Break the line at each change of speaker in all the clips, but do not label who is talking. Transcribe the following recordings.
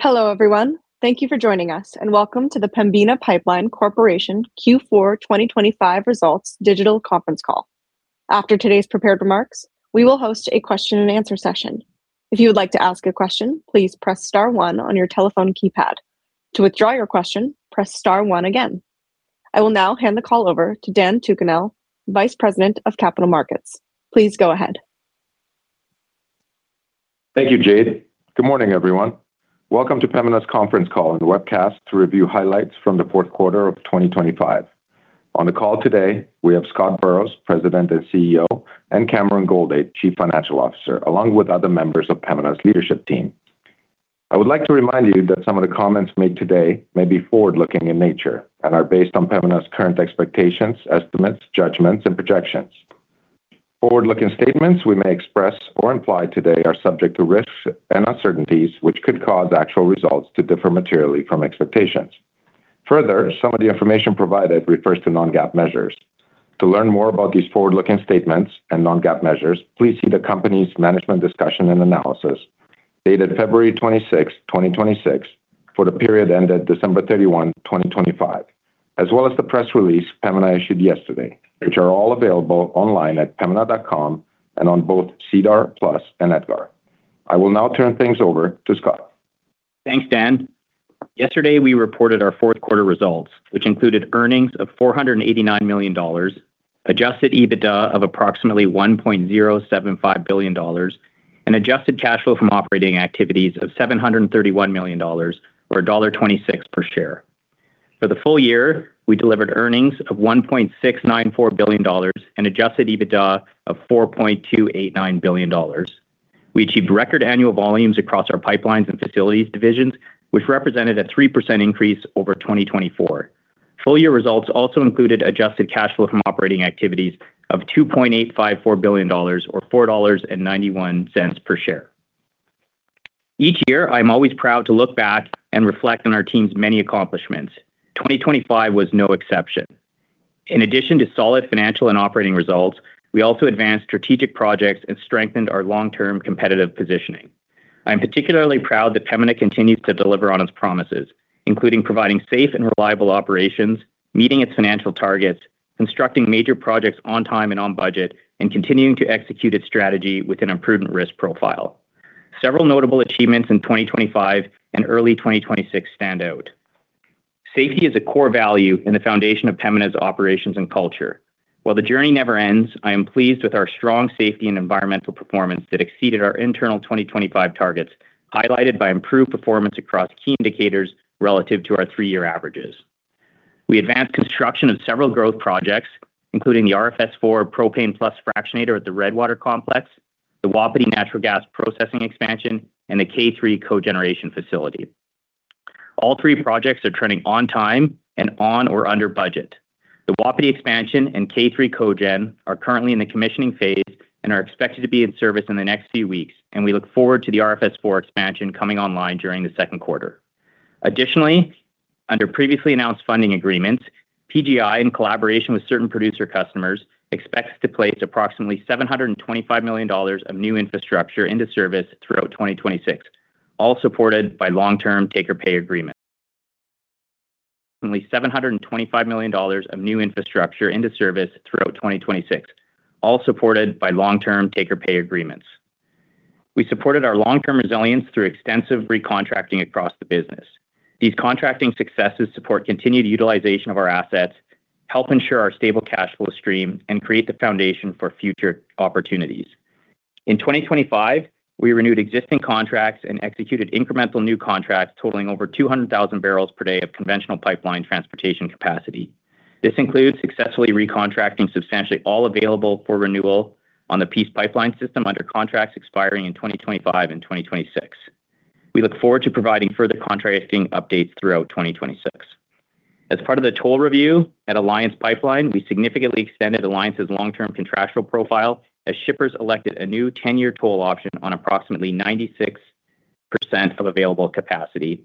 Hello, everyone. Thank you for joining us, and welcome to the Pembina Pipeline Corporation Q4 2025 Results digital conference call. After today's prepared remarks, we will host a question-and-answer session. If you would like to ask a question, please press star one on your telephone keypad. To withdraw your question, press star one again. I will now hand the call over to Dan McNeil, Vice President of Capital Markets. Please go ahead.
Thank you, Jade. Good morning, everyone. Welcome to Pembina's conference call and the webcast to review highlights from the fourth quarter of 2025. On the call today, we have Scott Burrows, President and CEO, and Cameron Goldade, Chief Financial Officer, along with other members of Pembina's leadership team. I would like to remind you that some of the comments made today may be forward-looking in nature and are based on Pembina's current expectations, estimates, judgments, and projections. Forward-looking statements we may express or imply today are subject to risks and uncertainties, which could cause actual results to differ materially from expectations. Further, some of the information provided refers to non-GAAP measures. To learn more about these forward-looking statements and non-GAAP measures, please see the company's management discussion and analysis dated February 26, 2026, for the period ended December 31, 2025, as well as the press release Pembina issued yesterday, which are all available online at pembina.com and on both SEDAR+ and EDGAR. I will now turn things over to Scott.
Thanks, Dan. Yesterday, we reported our fourth quarter results, which included earnings of 489 million dollars, Adjusted EBITDA of approximately 1.075 billion dollars, and adjusted cash flow from operating activities of 731 million dollars, or dollar 1.26 per share. For the full year, we delivered earnings of 1.694 billion dollars and Adjusted EBITDA of 4.289 billion dollars. We achieved record annual volumes across our pipelines and facilities divisions, which represented a 3% increase over 2024. Full year results also included adjusted cash flow from operating activities of 2.854 billion dollars or 4.91 dollars per share. Each year, I'm always proud to look back and reflect on our team's many accomplishments. 2025 was no exception. In addition to solid financial and operating results, we also advanced strategic projects and strengthened our long-term competitive positioning. I'm particularly proud that Pembina continues to deliver on its promises, including providing safe and reliable operations, meeting its financial targets, constructing major projects on time and on budget, and continuing to execute its strategy with an improved risk profile. Several notable achievements in 2025 and early 2026 stand out. Safety is a core value in the foundation of Pembina's operations and culture. While the journey never ends, I am pleased with our strong safety and environmental performance that exceeded our internal 2025 targets, highlighted by improved performance across key indicators relative to our three-year averages. We advanced construction of several growth projects, including the RFS IV propane-plus fractionator at the Redwater Complex, the Wapiti Natural Gas Processing Expansion, and the K3 Cogeneration Facility. All three projects are trending on time and on or under budget. The Wapiti Expansion and K3 cogen are currently in the commissioning phase and are expected to be in service in the next few weeks. We look forward to the RFS IV Expansion coming online during the second quarter. Additionally, under previously announced funding agreements, PGI, in collaboration with certain producer customers, expects to place approximately 725 million dollars of new infrastructure into service throughout 2026, all supported by long-term take-or-pay agreements. Only 725 million dollars of new infrastructure into service throughout 2026, all supported by long-term take-or-pay agreements. We supported our long-term resilience through extensive recontracting across the business. These contracting successes support continued utilization of our assets, help ensure our stable cash flow stream, and create the foundation for future opportunities. In 2025, we renewed existing contracts and executed incremental new contracts totaling over 200,000 barrels per day of conventional pipeline transportation capacity. This includes successfully recontracting substantially all available for renewal on the Peace Pipeline system under contracts expiring in 2025 and 2026. We look forward to providing further contracting updates throughout 2026. As part of the toll review at Alliance Pipeline, we significantly extended Alliance's long-term contractual profile as shippers elected a new 10-year toll option on approximately 96% of available capacity,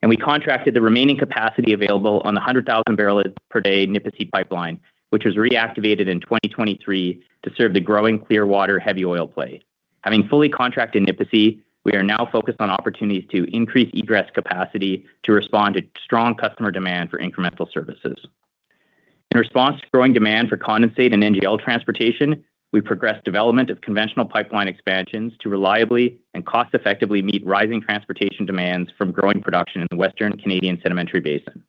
and we contracted the remaining capacity available on the 100,000 barrels per day Nipisi Pipeline, which was reactivated in 2023 to serve the growing Clearwater heavy oil play. Having fully contracted Nipisi, we are now focused on opportunities to increase egress capacity to respond to strong customer demand for incremental services. In response to growing demand for condensate and NGL transportation, we progressed development of conventional pipeline expansions to reliably and cost-effectively meet rising transportation demands from growing production in the Western Canadian Sedimentary Basin.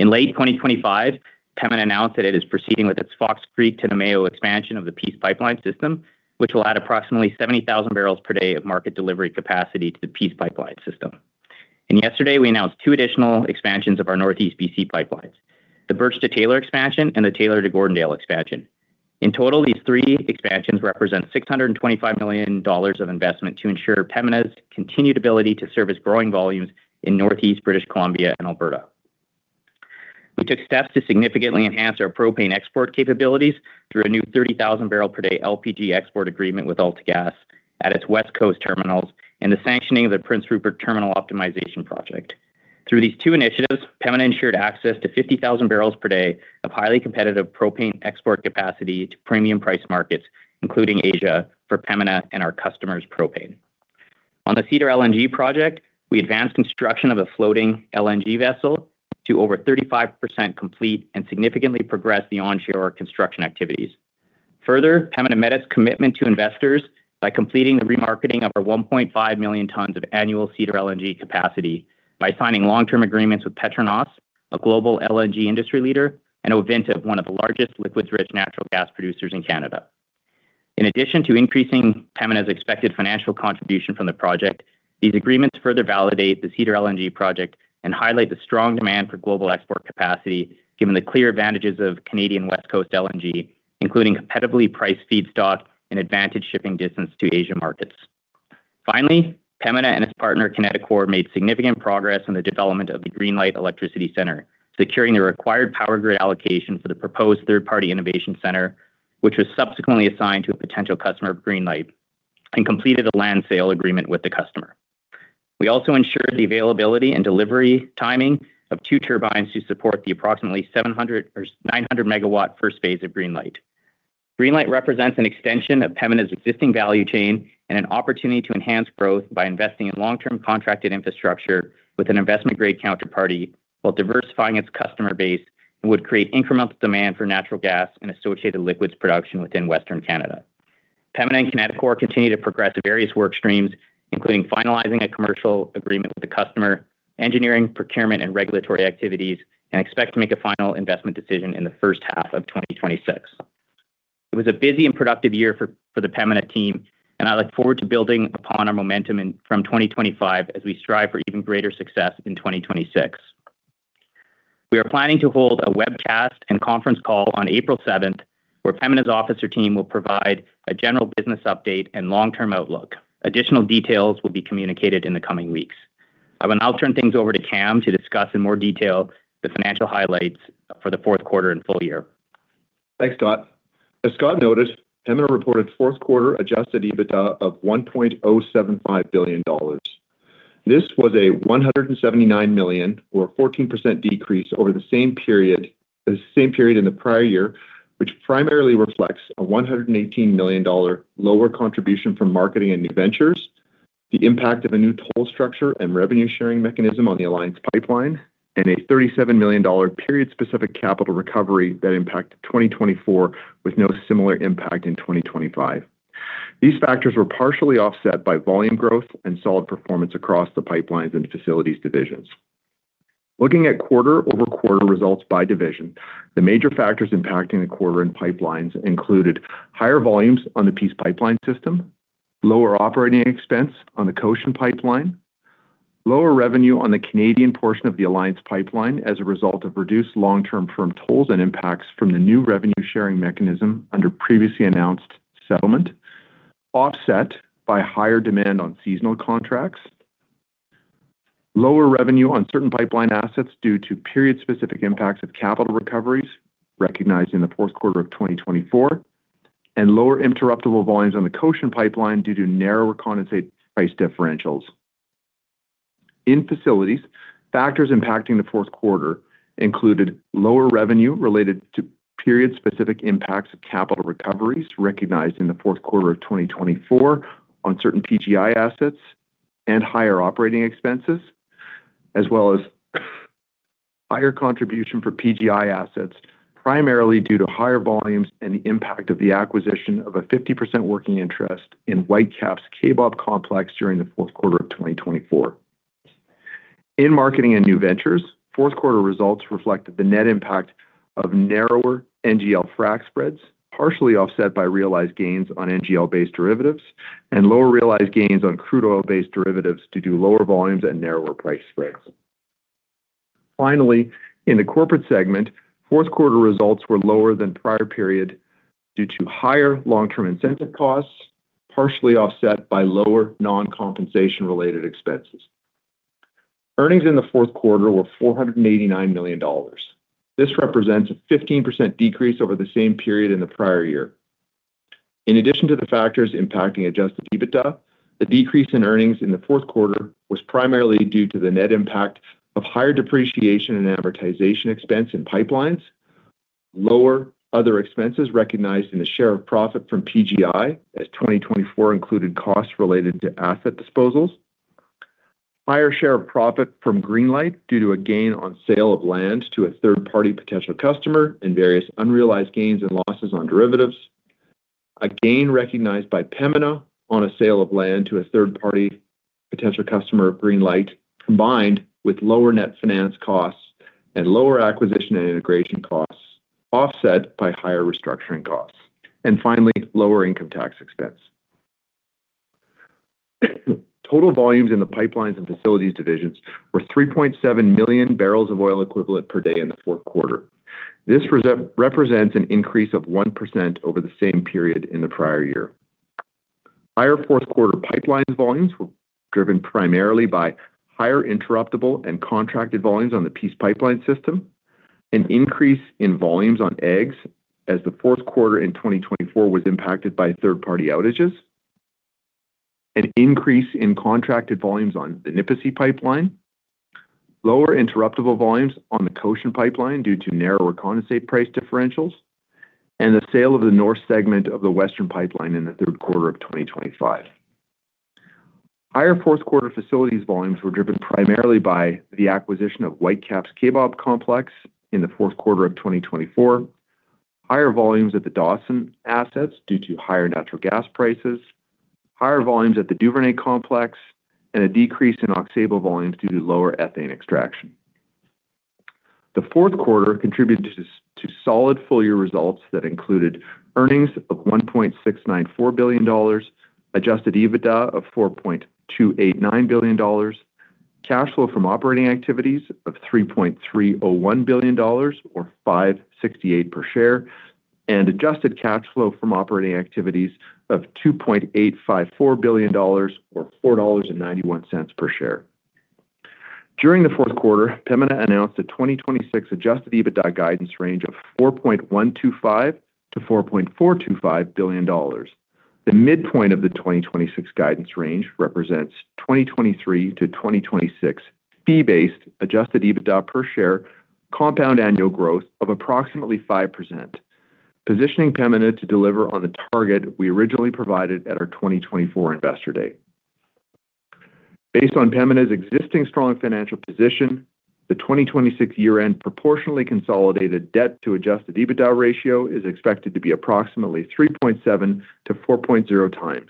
In late 2025, Pembina announced that it is proceeding with its Fox Creek to Namao expansion of the Peace Pipeline system, which will add approximately 70,000 barrels per day of market delivery capacity to the Peace Pipeline system. Yesterday, we announced two additional expansions of our Northeast BC pipelines, the Birch to Taylor expansion and the Taylor to Gordondale expansion. In total, these three expansions represent 625 million dollars of investment to ensure Pembina's continued ability to service growing volumes in Northeast British Columbia and Alberta. We took steps to significantly enhance our propane export capabilities through a new 30,000 barrel per day LPG export agreement with AltaGas at its West Coast terminals and the sanctioning of the Prince Rupert Terminal Optimization Project. Pembina ensured access to 50,000 barrels per day of highly competitive propane export capacity to premium price markets, including Asia, for Pembina and our customers' propane. On the Cedar LNG project, we advanced construction of a floating LNG vessel to over 35% complete and significantly progressed the onshore construction activities. Pembina met its commitment to investors by completing the remarketing of our 1.5 million tons of annual Cedar LNG capacity by signing long-term agreements with PETRONAS, a global LNG industry leader, and Ovintiv, one of the largest liquids-rich natural gas producers in Canada. In addition to increasing Pembina's expected financial contribution from the project, these agreements further validate the Cedar LNG project and highlight the strong demand for global export capacity, given the clear advantages of Canadian West Coast LNG, including competitively priced feedstock and advantage shipping distance to Asia markets. Pembina and its partner, Kineticor, made significant progress on the development of the Greenlight Electricity Centre, securing the required power grid allocation for the proposed third-party innovation center, which was subsequently assigned to a potential customer of Greenlight, and completed a land sale agreement with the customer. We also ensured the availability and delivery timing of two turbines to support the approximately 700 or 900 MW phase I of Greenlight. Greenlight represents an extension of Pembina's existing value chain and an opportunity to enhance growth by investing in long-term contracted infrastructure with an investment-grade counterparty, while diversifying its customer base and would create incremental demand for natural gas and associated liquids production within Western Canada. Pembina and Kineticor continue to progress various work streams, including finalizing a commercial agreement with the customer, engineering, procurement, and regulatory activities, and expect to make a final investment decision in the first half of 2026. It was a busy and productive year for the Pembina team, and I look forward to building upon our momentum from 2025 as we strive for even greater success in 2026. We are planning to hold a webcast and conference call on April 7th, where Pembina's officer team will provide a general business update and long-term outlook. Additional details will be communicated in the coming weeks. I will now turn things over to Cam to discuss in more detail the financial highlights for the fourth quarter and full year.
Thanks, Scott. As Scott noted, Pembina reported fourth quarter Adjusted EBITDA of 1.075 billion dollars. This was a 179 million or 14% decrease over the same period in the prior year, which primarily reflects a 118 million dollar lower contribution from marketing and new ventures, the impact of a new toll structure and revenue-sharing mechanism on the Alliance Pipeline, and a 37 million dollar period-specific capital recovery that impacted 2024, with no similar impact in 2025. These factors were partially offset by volume growth and solid performance across the pipelines and facilities divisions. Looking at quarter-over-quarter results by division, the major factors impacting the quarter in pipelines included: higher volumes on the Peace Pipeline system, lower operating expense on the Goshen Pipeline, lower revenue on the Canadian portion of the Alliance Pipeline as a result of reduced long-term firm tolls and impacts from the new revenue-sharing mechanism under previously announced settlement, offset by higher demand on seasonal contracts, lower revenue on certain pipeline assets due to period-specific impacts of capital recoveries recognized in the fourth quarter of 2024, and lower interruptible volumes on the Goshen Pipeline due to narrower condensate price differentials. In facilities, factors impacting the fourth quarter included lower revenue related to period-specific impacts of capital recoveries recognized in the fourth quarter of 2024 on certain PGI assets and higher operating expenses, as well as higher contribution for PGI assets, primarily due to higher volumes and the impact of the acquisition of a 50% working interest in Whitecap's Kaybob complex during the fourth quarter of 2024. In marketing and new ventures, fourth quarter results reflected the net impact of narrower NGL frac spreads, partially offset by realized gains on NGL-based derivatives and lower realized gains on crude oil-based derivatives due to lower volumes and narrower price spreads. Finally, in the corporate segment, fourth quarter results were lower than prior period due to higher long-term incentive costs, partially offset by lower non-compensation-related expenses. Earnings in the fourth quarter were 489 million dollars. This represents a 15% decrease over the same period in the prior year. In addition to the factors impacting Adjusted EBITDA, the decrease in earnings in the fourth quarter was primarily due to the net impact of higher depreciation and amortization expense in pipelines, lower other expenses recognized in the share of profit from PGI, as 2024 included costs related to asset disposals, higher share of profit from Greenlight due to a gain on sale of land to a third-party potential customer and various unrealized gains and losses on derivatives, a gain recognized by Pembina on a sale of land to a third-party potential customer of Greenlight, combined with lower net finance costs and lower acquisition and integration costs, offset by higher restructuring costs, and finally, lower income tax expense. Total volumes in the pipelines and facilities divisions were 3.7 million barrels of oil equivalent per day in the fourth quarter. This represents an increase of 1% over the same period in the prior year. Higher fourth quarter pipelines volumes were driven primarily by higher interruptible and contracted volumes on the Peace Pipeline system, an increase in volumes on AEGS as the fourth quarter in 2024 was impacted by third-party outages, an increase in contracted volumes on the Nipisi Pipeline, lower interruptible volumes on the Goshen Pipeline due to narrower condensate price differentials, and the sale of the north segment of the Western Pipeline in the third quarter of 2025. Higher fourth quarter facilities volumes were driven primarily by the acquisition of Whitecap's Kaybob Complex in the fourth quarter of 2024, higher volumes at the Dawson assets due to higher natural gas prices, higher volumes at the Duvernay Complex, and a decrease in Octable volumes due to lower ethane extraction. The fourth quarter contributed to solid full year results that included earnings of 1.694 billion dollars, Adjusted EBITDA of 4.289 billion dollars, cash flow from operating activities of 3.301 billion dollars or 5.68 per share, and adjusted cash flow from operating activities of 2.854 billion dollars or 4.91 dollars per share. During the fourth quarter, Pembina announced a 2026 Adjusted EBITDA guidance range of 4.125 billion-4.425 billion dollars. The midpoint of the 2026 guidance range represents 2023 to 2026 fee-based Adjusted EBITDA per share, compound annual growth of approximately 5%, positioning Pembina to deliver on the target we originally provided at our 2024 investor date. Based on Pembina's existing strong financial position, the 2026 year-end proportionally consolidated debt to Adjusted EBITDA ratio is expected to be approximately 3.7-4.0x.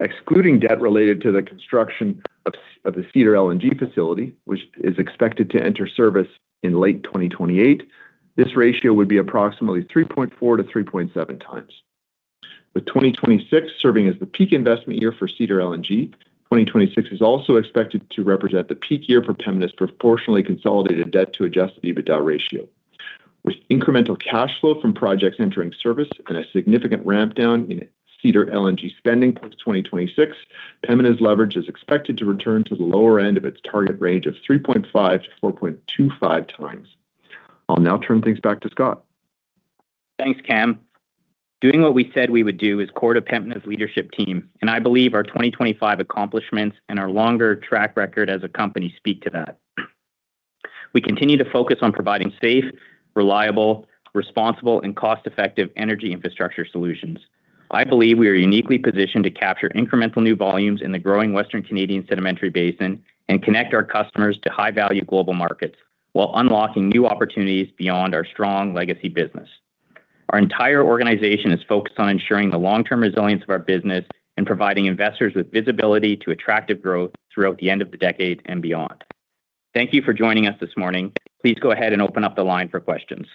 Excluding debt related to the construction of the Cedar LNG facility, which is expected to enter service in late 2028, this ratio would be approximately 3.4-3.7x. With 2026 serving as the peak investment year for Cedar LNG, 2026 is also expected to represent the peak year for Pembina's proportionally consolidated debt to Adjusted EBITDA ratio. With incremental cash flow from projects entering service and a significant ramp down in Cedar LNG spending post-2026, Pembina's leverage is expected to return to the lower end of its target range of 3.5 to 4.25x. I'll now turn things back to Scott.
Thanks, Cam. Doing what we said we would do is core to Pembina's leadership team, and I believe our 2025 accomplishments and our longer track record as a company speak to that. We continue to focus on providing safe, reliable, responsible, and cost-effective energy infrastructure solutions. I believe we are uniquely positioned to capture incremental new volumes in the growing Western Canadian Sedimentary Basin and connect our customers to high-value global markets, while unlocking new opportunities beyond our strong legacy business. Our entire organization is focused on ensuring the long-term resilience of our business and providing investors with visibility to attractive growth throughout the end of the decade and beyond. Thank you for joining us this morning. Please go ahead and open up the line for questions.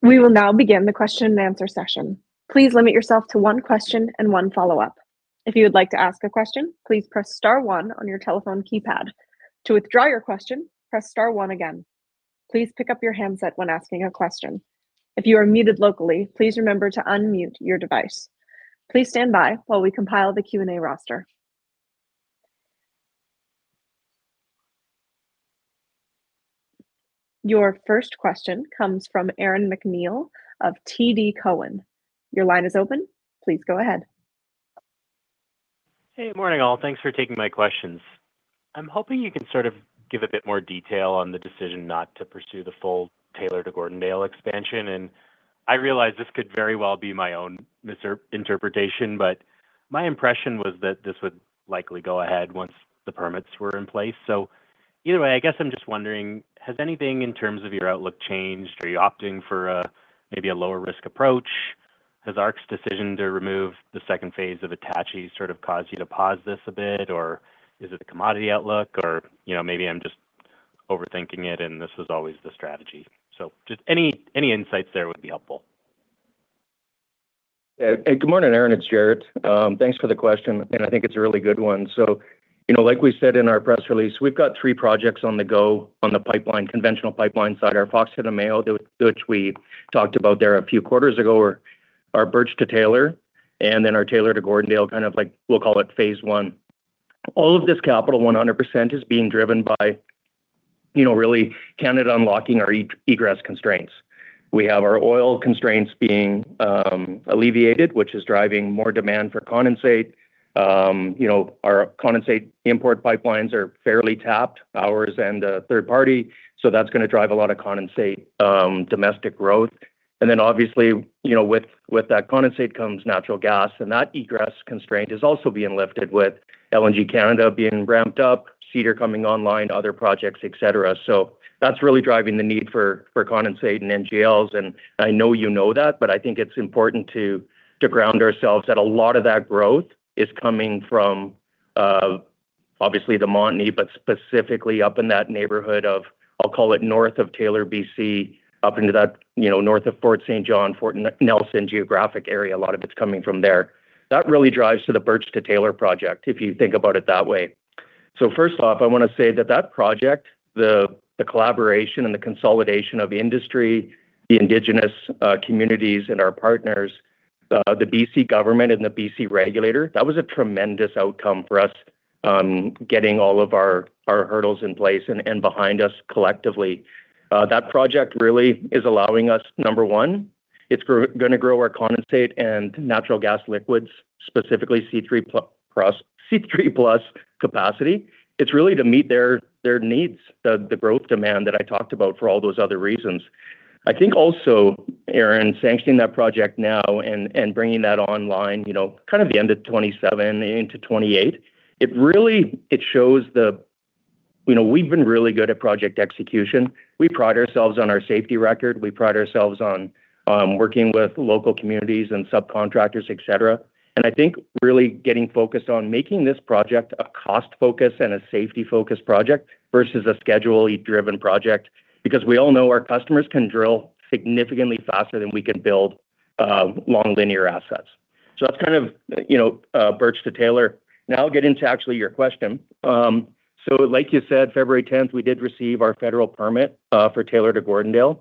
We will now begin the question-and-answer session. Please limit yourself to one question and one follow-up. If you would like to ask a question, please press star one on your telephone keypad. To withdraw your question, press star one again. Please pick up your handset when asking a question. If you are muted locally, please remember to unmute your device. Please stand by while we compile the Q&A roster. Your first question comes from Aaron MacNeil of TD Cowen. Your line is open. Please go ahead.
Hey, good morning, all. Thanks for taking my questions. I'm hoping you can sort of give a bit more detail on the decision not to pursue the full Taylor-to-Gordondale Expansion. I realize this could very well be my own misinterpretation, but my impression was that this would likely go ahead once the permits were in place. Either way, I guess I'm just wondering, has anything in terms of your outlook changed? Are you opting for a maybe a lower risk approach? Has ARC's decision to remove the second phase of Attachie sort of caused you to pause this a bit, or is it the commodity outlook? You know, maybe I'm just overthinking it and this was always the strategy. Just any insights there would be helpful.
Good morning, Aaron, it's Jaret. Thanks for the question, and I think it's a really good one. You know, like we said in our press release, we've got three projects on the go on the pipeline, conventional pipeline side, our Fox to Namao, which we talked about there a few quarters ago, or our Birch to Taylor, and then our Taylor to Gordondale, kind of like, we'll call it phase I. All of this capital, 100%, is being driven by, you know, really Canada unlocking our egress constraints. We have our oil constraints being alleviated, which is driving more demand for condensate. You know, our condensate import pipelines are fairly tapped, ours and a third party, so that's gonna drive a lot of condensate, domestic growth. Obviously, you know, with that condensate comes natural gas, and that egress constraint is also being lifted, with LNG Canada being ramped up, Cedar coming online, other projects, etc. That's really driving the need for condensate and NGLs, and I know you know that, but I think it's important to ground ourselves that a lot of that growth is coming from, obviously the Montney, but specifically up in that neighborhood of I'll call it north of Taylor, BC, up into that, you know, north of Fort St. John, Fort Nelson geographic area. A lot of it's coming from there. That really drives to the Birch to Taylor project, if you think about it that way. First off, I want to say that that project, the collaboration and the consolidation of industry, the indigenous communities and our partners, the B.C. government and the B.C. regulator, that was a tremendous outcome for us getting all of our hurdles in place and behind us collectively. That project really is allowing us, number one, it's gonna grow our condensate and natural gas liquids, specifically C3+ capacity. It's really to meet their needs, the growth demand that I talked about for all those other reasons. I think also, Aaron, sanctioning that project now and bringing that online, you know, kind of the end of 2027 into 2028, it really, you know, we've been really good at project execution. We pride ourselves on our safety record. We pride ourselves on working with local communities and subcontractors, et cetera. I think really getting focused on making this project a cost-focused and a safety-focused project versus a schedule-driven project, because we all know our customers can drill significantly faster than we can build long linear assets. That's kind of, you know, Birch to Taylor. Now I'll get into actually your question. Like you said, February 10th, we did receive our federal permit for Taylor to Gordondale.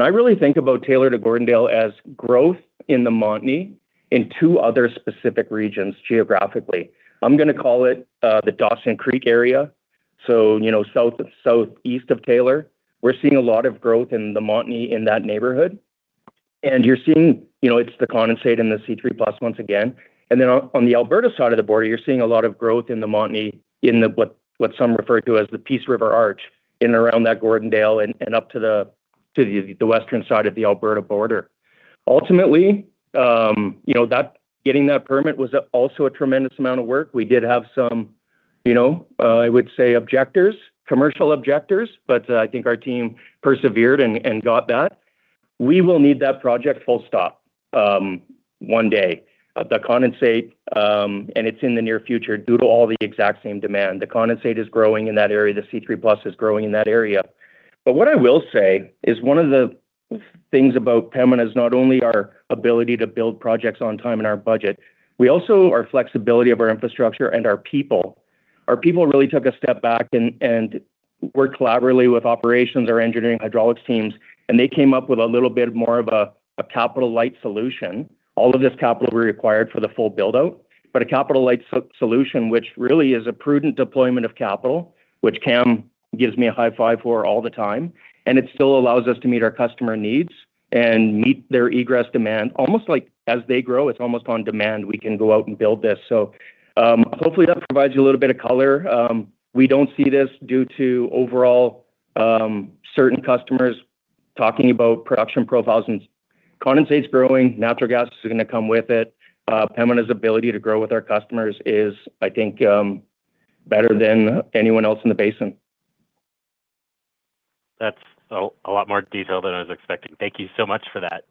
I really think about Taylor to Gordondale as growth in the Montney in two other specific regions, geographically. I'm gonna call it the Dawson Creek area, so, you know, southeast of Taylor. We're seeing a lot of growth in the Montney in that neighborhood. You're seeing, you know, it's the condensate and the C3+ once again. On the Alberta side of the border, you're seeing a lot of growth in the Montney, in what some refer to as the Peace River Arch, in around that Gordondale and up to the western side of the Alberta border. Ultimately, you know, getting that permit was also a tremendous amount of work. We did have some, you know, I would say, objectors, commercial objectors, but I think our team persevered and got that. We will need that project full stop one day. The condensate, and it's in the near future, due to all the exact same demand. The condensate is growing in that area. The C3+ is growing in that area. What I will say, is one of the things about Pembina is not only our ability to build projects on time and our budget, our flexibility of our infrastructure and our people. Our people really took a step back and worked collaboratively with operations, our engineering hydraulics teams, and they came up with a little bit more of a capital light solution. All of this capital will be required for the full build-out, a capital light solution, which really is a prudent deployment of capital, which Cam gives me a high five for all the time, and it still allows us to meet our customer needs and meet their egress demand, almost like as they grow, it's almost on demand, we can go out and build this. Hopefully, that provides you a little bit of color. We don't see this due to overall, certain customers talking about production profiles and condensates growing, natural gas is gonna come with it. Pembina's ability to grow with our customers is, I think, better than anyone else in the basin.
That's a lot more detail than I was expecting. Thank you so much for that.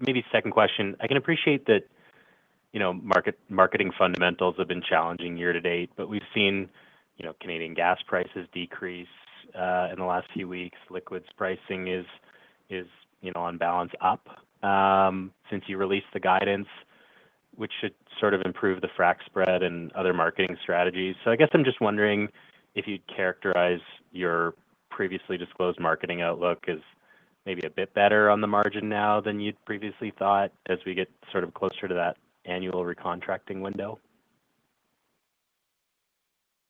Maybe second question. I can appreciate that, you know, market, marketing fundamentals have been challenging year to date, we've seen, you know, Canadian gas prices decrease in the last few weeks. Liquids pricing is, you know, on balance, up since you released the guidance, which should sort of improve the frac spread and other marketing strategies. I guess I'm just wondering if you'd characterize your previously disclosed marketing outlook as maybe a bit better on the margin now than you'd previously thought as we get sort of closer to that annual recontracting window?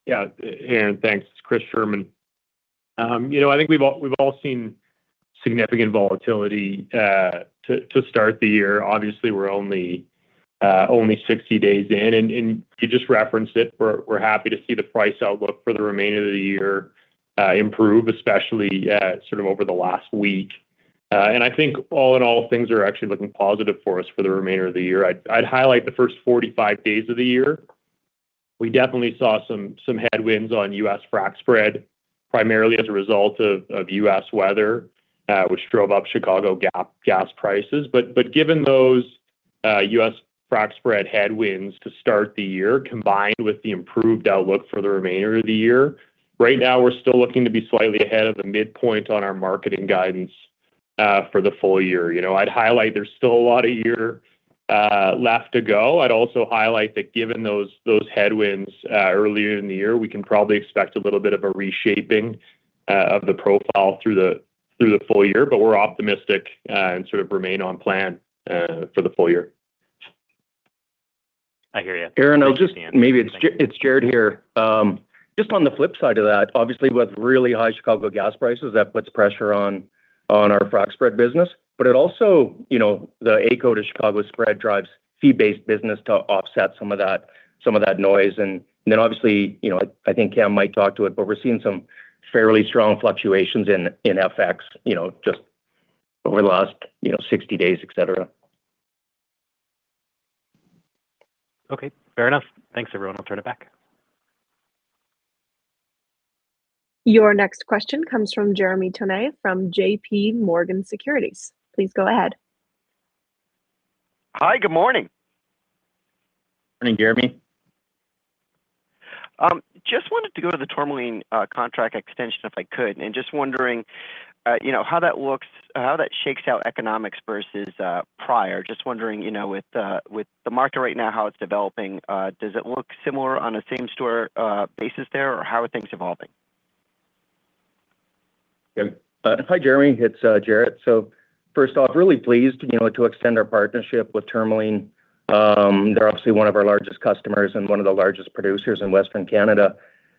Yeah, Aaron, thanks. It's Chris Scherman. You know, I think we've all seen significant volatility to start the year. Obviously, we're only 60 days in, and you just referenced it, we're happy to see the price outlook for the remainder of the year improve, especially sort of over the last week. I think all in all, things are actually looking positive for us for the remainder of the year. I'd highlight the first 45 days of the year, we definitely saw some headwinds on US frac spread, primarily as a result of US weather, which drove up Chicago gas prices. Given those US frac spread headwinds to start the year, combined with the improved outlook for the remainder of the year, right now, we're still looking to be slightly ahead of the midpoint on our marketing guidance for the full year. You know, I'd highlight there's still a lot of year left to go. I'd also highlight that given those headwinds earlier in the year, we can probably expect a little bit of a reshaping of the profile through the full year, we're optimistic and sort of remain on plan for the full year.
I hear you.
Aaron, maybe it's Jaret here. just on the flip side of that, obviously, with really high Chicago gas prices, that puts pressure on our frac spread business. it also, you know, the AECO to Chicago spread drives fee-based business to offset some of that noise. obviously, you know, I think Cam might talk to it, but we're seeing some fairly strong fluctuations in FX, you know, just over the last, you know, 60 days, et cetera.
Okay, fair enough. Thanks, everyone. I'll turn it back.
Your next question comes from Jeremy Tonet, from JPMorgan Securities. Please go ahead.
Hi, good morning.
Morning, Jeremy.
Just wanted to go to the Tourmaline contract extension, if I could. Just wondering, you know, how that shakes out economics versus prior. Just wondering, you know, with the market right now, how it's developing, does it look similar on a same-store basis there, or how are things evolving?
Hi, Jeremy, it's Jaret. First off, really pleased, you know, to extend our partnership with Tourmaline. They're obviously one of our largest customers and one of the largest producers in Western Canada.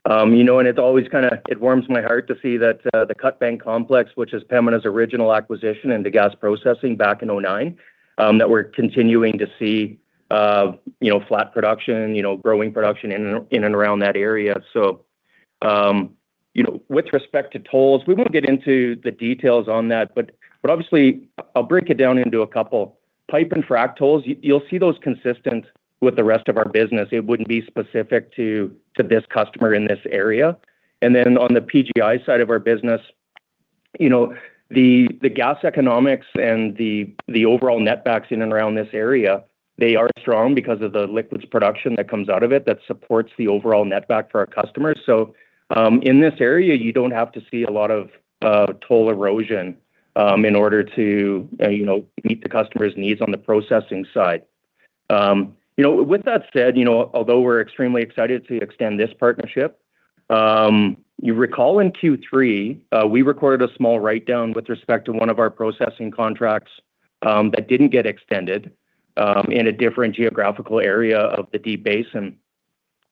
You know, it's always kinda, it warms my heart to see that the Cut Bank Complex, which is Pembina's original acquisition into gas processing back in 2009, that we're continuing to see, you know, flat production, you know, growing production in and around that area. You know, with respect to tolls, we won't get into the details on that, but obviously, I'll break it down into a couple. Pipe and frac tolls, you'll see those consistent with the rest of our business. It wouldn't be specific to this customer in this area. On the PGI side of our business, you know, the gas economics and the overall netbacks in and around this area, they are strong because of the liquids production that comes out of it that supports the overall netback for our customers. In this area, you don't have to see a lot of toll erosion, in order to, you know, meet the customer's needs on the processing side. You know, with that said, you know, although we're extremely excited to extend this partnership, you recall in Q3, we recorded a small write-down with respect to one of our processing contracts, that didn't get extended, in a different geographical area of the Deep Basin,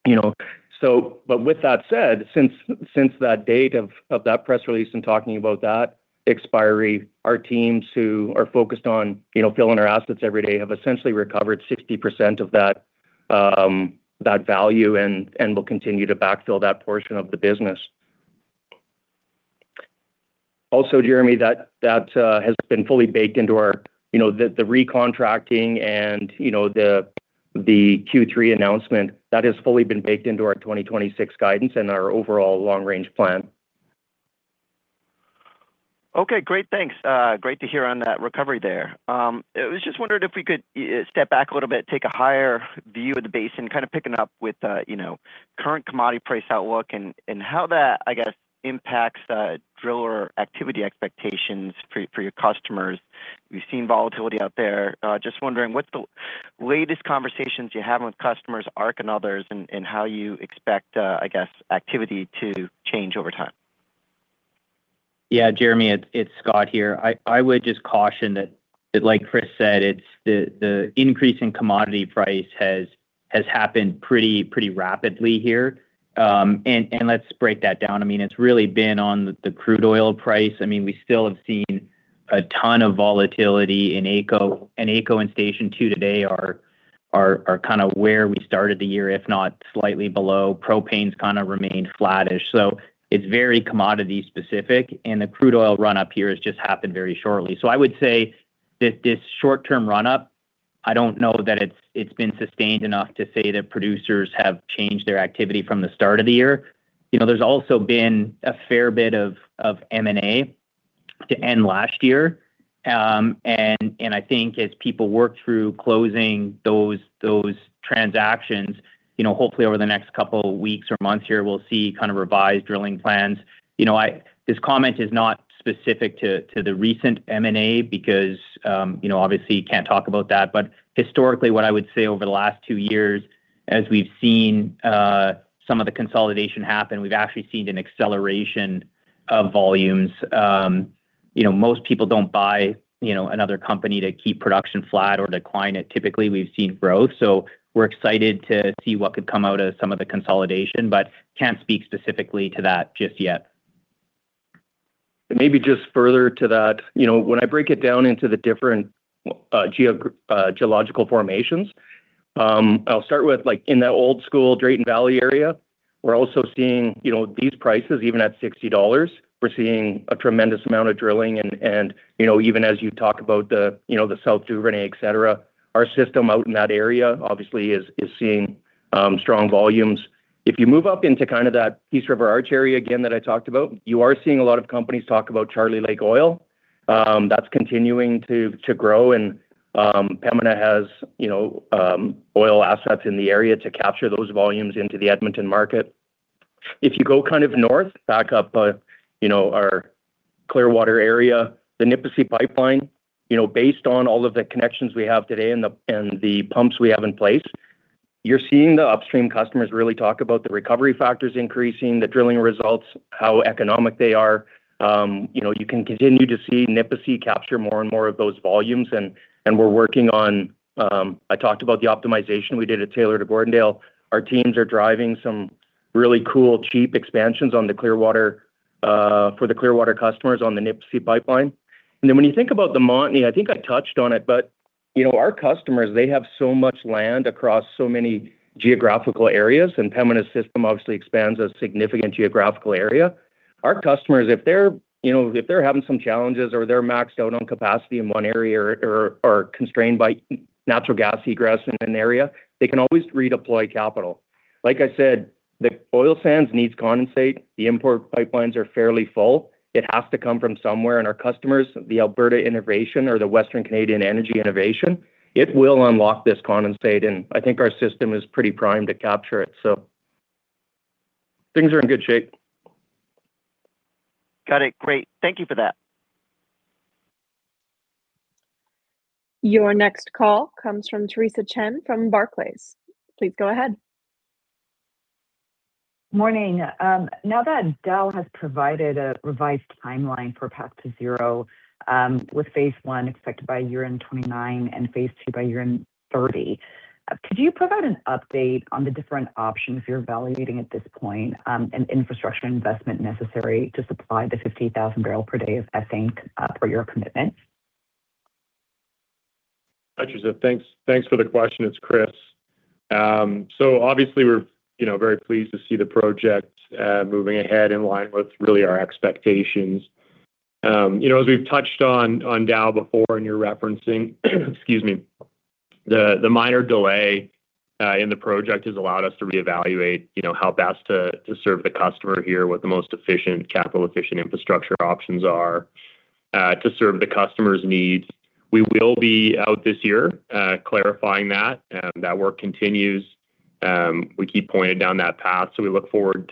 you know. But with that said, since that date of that press release and talking about that expiry, our teams who are focused on, you know, filling our assets every day, have essentially recovered 60% of that value and will continue to backfill that portion of the business. Also, Jeremy, You know, the recontracting and, you know, the Q3 announcement, that has fully been baked into our 2026 guidance and our overall long-range plan.
Okay, great. Thanks. Great to hear on that recovery there. I was just wondering if we could step back a little bit, take a higher view of the basin, kinda picking up with the, you know, current commodity price outlook and how that, I guess, impacts the driller activity expectations for your customers. We've seen volatility out there. Just wondering, what's the latest conversations you're having with customers, ARC and others, and how you expect, I guess, activity to change over time?
Yeah, Jeremy, it's Scott here. I would just caution that, like Chris said, it's the increase in commodity price has happened pretty rapidly here. Let's break that down. I mean, it's really been on the crude oil price. I mean, we still have seen a ton of volatility in AECO, and AECO and Station 2 today are kinda where we started the year, if not slightly below. Propane's kinda remained flattish, so it's very commodity specific, and the crude oil run-up here has just happened very shortly. I would say that this short-term run-up, I don't know that it's been sustained enough to say that producers have changed their activity from the start of the year. You know, there's also been a fair bit of M&A to end last year. I think as people work through closing those transactions, you know, hopefully over the next couple of weeks or months here, we'll see revised drilling plans. You know, this comment is not specific to the recent M&A because, you know, obviously you can't talk about that. Historically, what I would say over the last two years, as we've seen some of the consolidation happen, we've actually seen an acceleration of volumes. You know, most people don't buy, you know, another company to keep production flat or decline it. Typically, we've seen growth, we're excited to see what could come out of some of the consolidation, can't speak specifically to that just yet.
Maybe just further to that, you know, when I break it down into the different geological formations, I'll start with, like, in that old school Drayton Valley area, we're also seeing, you know, these prices, even at 60 dollars, we're seeing a tremendous amount of drilling and, you know, even as you talk about the, you know, the South Duvernay, et cetera, our system out in that area, obviously is seeing strong volumes. If you move up into kinda that Peace River Arch area, again, that I talked about, you are seeing a lot of companies talk about Charlie Lake Oil. That's continuing to grow, and Pembina has, you know, oil assets in the area to capture those volumes into the Edmonton market. If you go kind of north, back up, you know, our Clearwater area, the Nipisi Pipeline, you know, based on all of the connections we have today and the pumps we have in place, you're seeing the upstream customers really talk about the recovery factors increasing, the drilling results, how economic they are. You know, you can continue to see Nipisi capture more and more of those volumes, and we're working on. I talked about the optimization we did at Taylor to Gordondale. Our teams are driving some really cool, cheap expansions on the Clearwater for the Clearwater customers on the Nipisi Pipeline. When you think about the Montney, I think I touched on it, but, you know, our customers, they have so much land across so many geographical areas, and Pembina's system obviously expands a significant geographical area. Our customers, if they're, you know, if they're having some challenges or they're maxed out on capacity in one area or are constrained by natural gas egress in an area, they can always redeploy capital. Like I said, the oil sands needs condensate. The import pipelines are fairly full. It has to come from somewhere. Our customers, the Alberta Innovation or the Western Canadian Energy Innovation, it will unlock this condensate. I think our system is pretty primed to capture it. Things are in good shape.
Got it. Great. Thank you for that.
Your next call comes from Theresa Chen from Barclays. Please go ahead.
Morning. Now that Dow has provided a revised timeline for Path to Zero, with phase I expected by year-end 2029 and phase II by year-end 2030, could you provide an update on the different options you're evaluating at this point, and infrastructure investment necessary to supply the 50,000 barrel per day of ethane for your commitment?
Hi, Theresa. Thanks, thanks for the question. It's Chris. Obviously, we're, you know, very pleased to see the project moving ahead in line with really our expectations. You know, as we've touched on Dow before, you're referencing, excuse me, the minor delay in the project has allowed us to reevaluate, you know, how best to serve the customer here, what the most efficient, capital-efficient infrastructure options are to serve the customer's needs. We will be out this year, clarifying that work continues. We keep pointing down that path, we look forward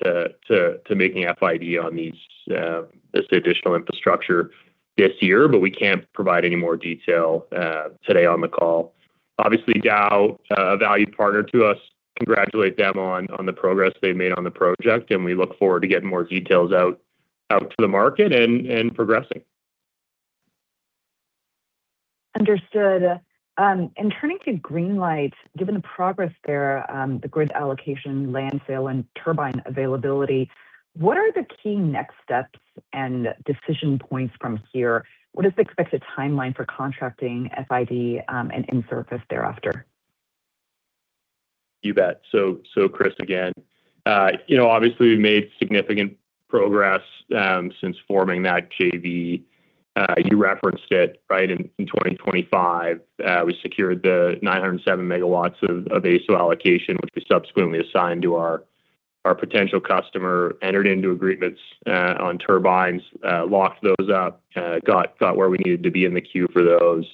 to making FID on these, this additional infrastructure this year, we can't provide any more detail today on the call. Obviously, Dow, a valued partner to us, congratulate them on the progress they've made on the project, and we look forward to getting more details out to the market and progressing.
Understood. Turning to Greenlight, given the progress there, the grid allocation, land sale, and turbine availability, what are the key next steps and decision points from here? What is the expected timeline for contracting FID, and in-service thereafter?
You bet. Chris, again. you know, obviously, we've made significant progress since forming that JV. You referenced it, right? In 2025, we secured the 907 MW of AESO allocation, which we subsequently assigned to our potential customer, entered into agreements on turbines, locked those up, got where we needed to be in the queue for those.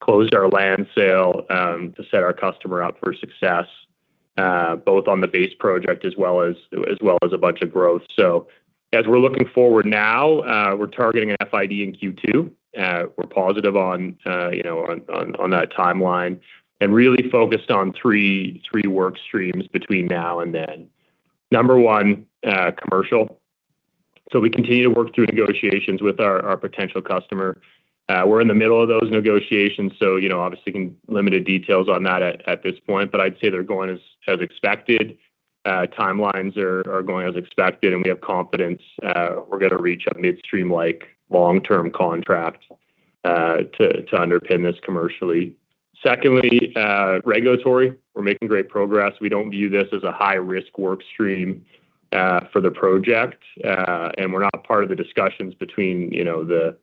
Closed our land sale to set our customer up for success both on the base project as well as a bunch of growth. As we're looking forward now, we're targeting an FID in Q2. We're positive on, you know, on that timeline and really focused on three work streams between now and then. Number one, commercial. We continue to work through negotiations with our potential customer. We're in the middle of those negotiations, so, you know, obviously, limited details on that at this point, but I'd say they're going as expected. Timelines are going as expected, and we have confidence we're gonna reach a midstream-like long-term contract to underpin this commercially. Secondly, regulatory, we're making great progress. We don't view this as a high-risk work stream for the project. We're not part of the discussions between, you know, the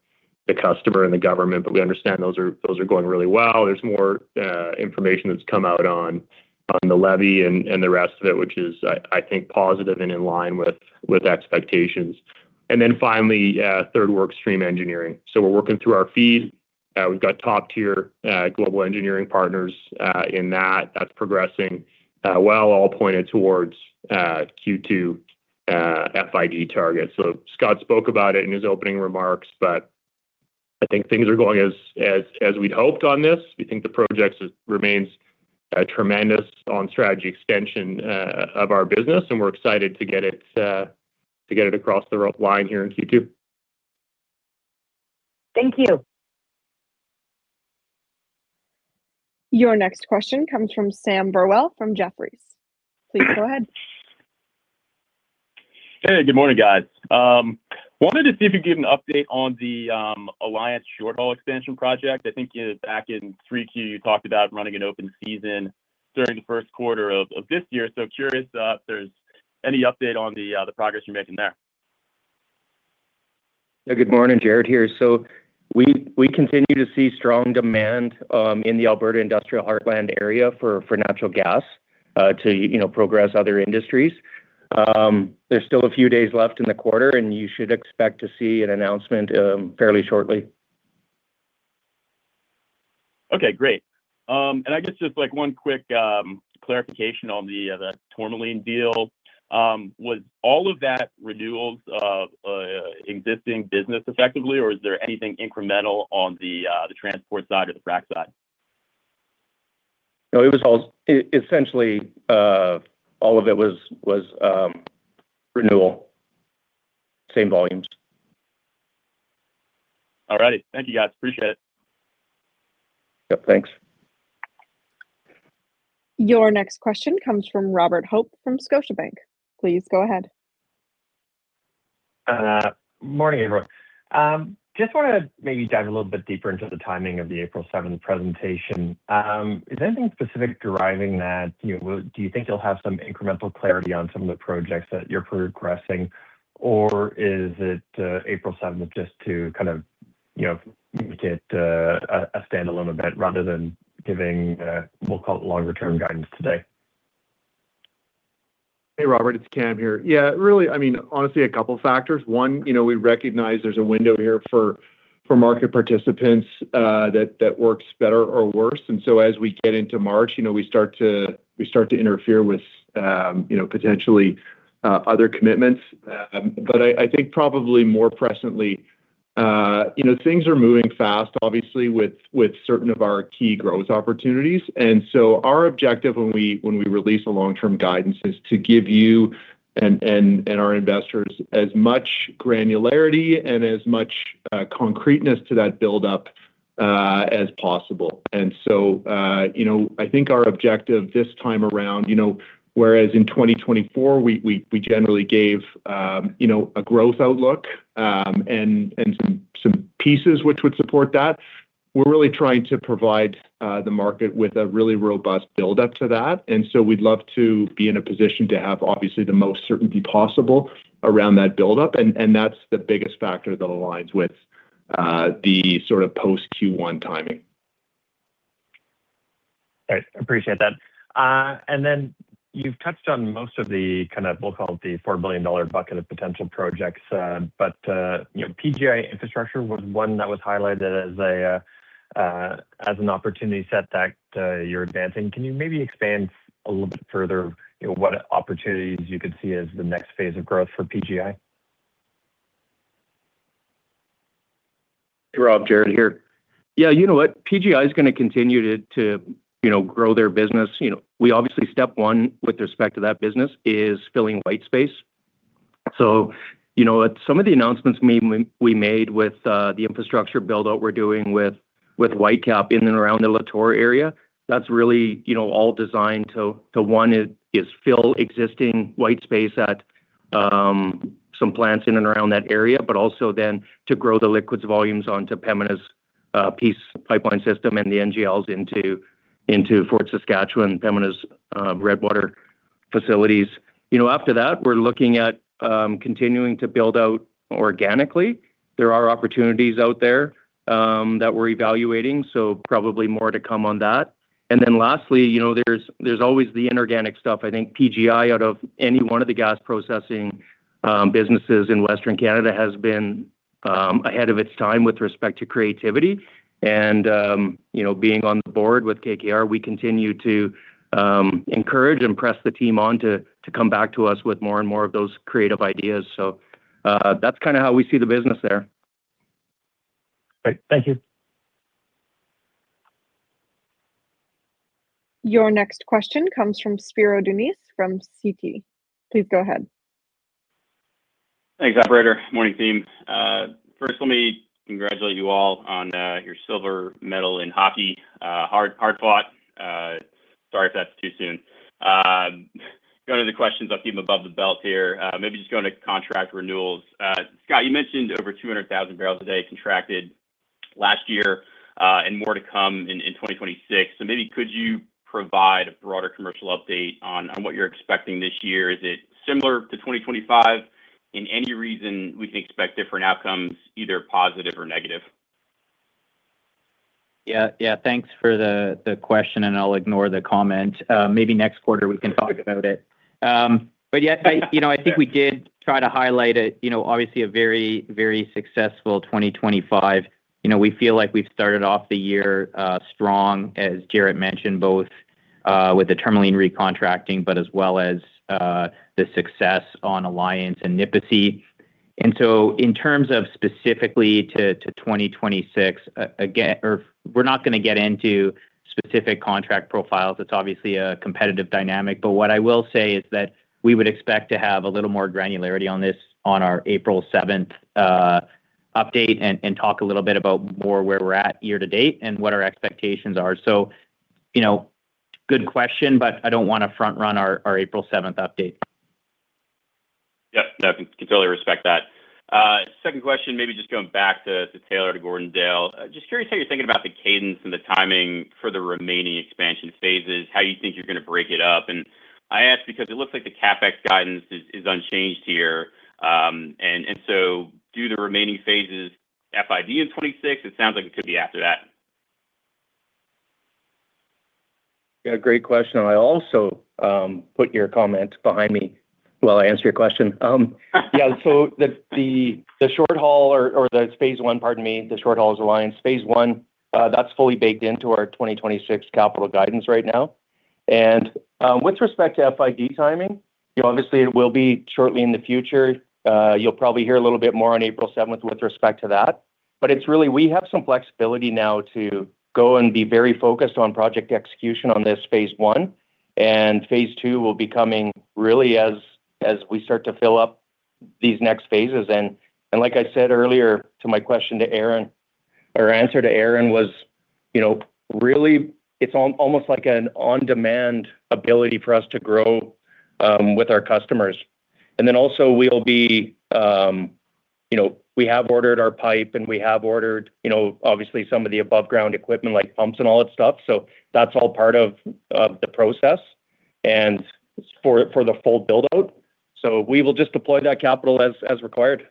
customer and the government, but we understand those are going really well. There's more information that's come out on the levy and the rest of it, which is, I think, positive and in line with expectations. Finally, third work stream, engineering. We're working through our FEED. We've got top-tier global engineering partners in that. That's progressing well, all pointed towards Q2 FID target. Scott spoke about it in his opening remarks, but I think things are going as we'd hoped on this. We think the project remains a tremendous on strategy extension of our business, and we're excited to get it across the line here in Q2.
Thank you.
Your next question comes from Sam Burwell, from Jefferies. Please go ahead.
Hey, good morning, guys. wanted to see if you could give an update on the Alliance short-haul expansion project. I think, you know, back in 3Q, you talked about running an open season during the first quarter of this year. curious if there's any update on the progress you're making there?
Good morning, Jaret here. We continue to see strong demand in the Alberta Industrial Heartland area for natural gas to, you know, progress other industries. There's still a few days left in the quarter, you should expect to see an announcement fairly shortly.
Okay, great. I guess just, like, one quick clarification on the Tourmaline deal. Was all of that renewals of existing business effectively, or is there anything incremental on the transport side or the frac side?
No, it was essentially all of it was renewal. Same volumes.
All right. Thank you, guys. Appreciate it.
Yep, thanks.
Your next question comes from Robert Hope, from Scotiabank. Please go ahead.
Morning, everyone. Just wanna maybe dive a little bit deeper into the timing of the 7th April presentation. Is there anything specific deriving that, you know, do you think you'll have some incremental clarity on some of the projects that you're progressing, or is it 7th April just to kind of, you know, get a standalone event rather than giving, we'll call it longer-term guidance today?
Hey, Robert, it's Cam here. Yeah, really, I mean, honestly, a couple of factors. One, you know, we recognize there's a window here for market participants that works better or worse, and so as we get into March, you know, we start to interfere with, you know, potentially other commitments. But I think probably more presently, you know, things are moving fast, obviously, with certain of our key growth opportunities. Our objective when we, when we release a long-term guidance is to give you and our investors as much granularity and as much concreteness to that buildup as possible. You know, I think our objective this time around, you know, whereas in 2024, we, we generally gave, you know, a growth outlook, and some pieces which would support that, we're really trying to provide, the market with a really robust buildup to that. We'd love to be in a position to have, obviously, the most certainty possible around that buildup, and that's the biggest factor that aligns with, the sort of post Q1 timing.
Great. Appreciate that. You've touched on most of the kind of, we'll call it the 4 billion dollar bucket of potential projects. You know, PGI infrastructure was one that was highlighted as an opportunity set that you're advancing. Can you maybe expand a little bit further, you know, what opportunities you could see as the next phase of growth for PGI?
Rob, Jaret here. Yeah, you know what? PGI is gonna continue to, you know, grow their business. You know, we obviously, step one with respect to that business is filling white space. You know, at some of the announcements we made with the infrastructure buildout we're doing with Whitecap in and around the Lator area, that's really, you know, all designed to, one, is fill existing white space at some plants in and around that area, but also then to grow the liquids volumes onto Pembina's Peace Pipeline System and the NGLs into Fort Saskatchewan, Pembina's Redwater facilities. After that, we're looking at continuing to build out organically. There are opportunities out there that we're evaluating, so probably more to come on that lastly, you know, there's always the inorganic stuff. I think PGI, out of any one of the gas processing businesses in Western Canada, has been ahead of its time with respect to creativity. you know, being on the board with KKR, we continue to encourage and press the team on to come back to us with more and more of those creative ideas. that's kinda how we see the business there.
Great, thank you.
Your next question comes from Spiro Dounis from Citigroup. Please go ahead.
Thanks, operator. Morning, team. First, let me congratulate you all on your silver medal in hockey. Hard, hard-fought. Sorry if that's too soon. Going to the questions, I'll keep them above the belt here. Maybe just going to contract renewals. Scott, you mentioned over 200,000 barrels a day contracted last year, and more to come in 2026. Maybe could you provide a broader commercial update on what you're expecting this year? Is it similar to 2025? In any reason, we can expect different outcomes, either positive or negative?
Yeah. Thanks for the question. I'll ignore the comment. Maybe next quarter we can talk about it. Yeah, you know, I think we did try to highlight it, you know, obviously a very successful 2025. You know, we feel like we've started off the year strong, as Jaret mentioned, both with the Tourmaline recontracting, as well as the success on Alliance and Nipisi. In terms of specifically to 2026, we're not gonna get into specific contract profiles. It's obviously a competitive dynamic, what I will say is that we would expect to have a little more granularity on this on our 7th April update, and talk a little bit about more where we're at year to date and what our expectations are. You know, good question, but I don't wanna front-run our 7th April update.
Yep. No, can totally respect that. Second question, maybe just going back to Taylor-to-Gordondale. Just curious how you're thinking about the cadence and the timing for the remaining expansion phases, how you think you're going to break it up? I ask because it looks like the CapEx guidance is unchanged here, do the remaining phases FID in 2026? It sounds like it could be after that.
Yeah, great question. I also put your comment behind me while I answer your question. Yeah, so the short haul, or the phase I, pardon me, the short haul is Alliance. phase I, that's fully baked into our 2026 capital guidance right now. With respect to FID timing, you know, obviously, it will be shortly in the future. You'll probably hear a little bit more on 7th April with respect to that. It's really, we have some flexibility now to go and be very focused on project execution on this phase I, and phase II will be coming really as we start to fill up these next phases. Like I said earlier to my question to Aaron, or answer to Aaron, was, you know, really it's almost like an on-demand ability for us to grow with our customers. Then also, we'll be. You know, we have ordered our pipe, and we have ordered, you know, obviously some of the above-ground equipment, like pumps and all that stuff, so that's all part of the process, and for the full build-out. We will just deploy that capital as required.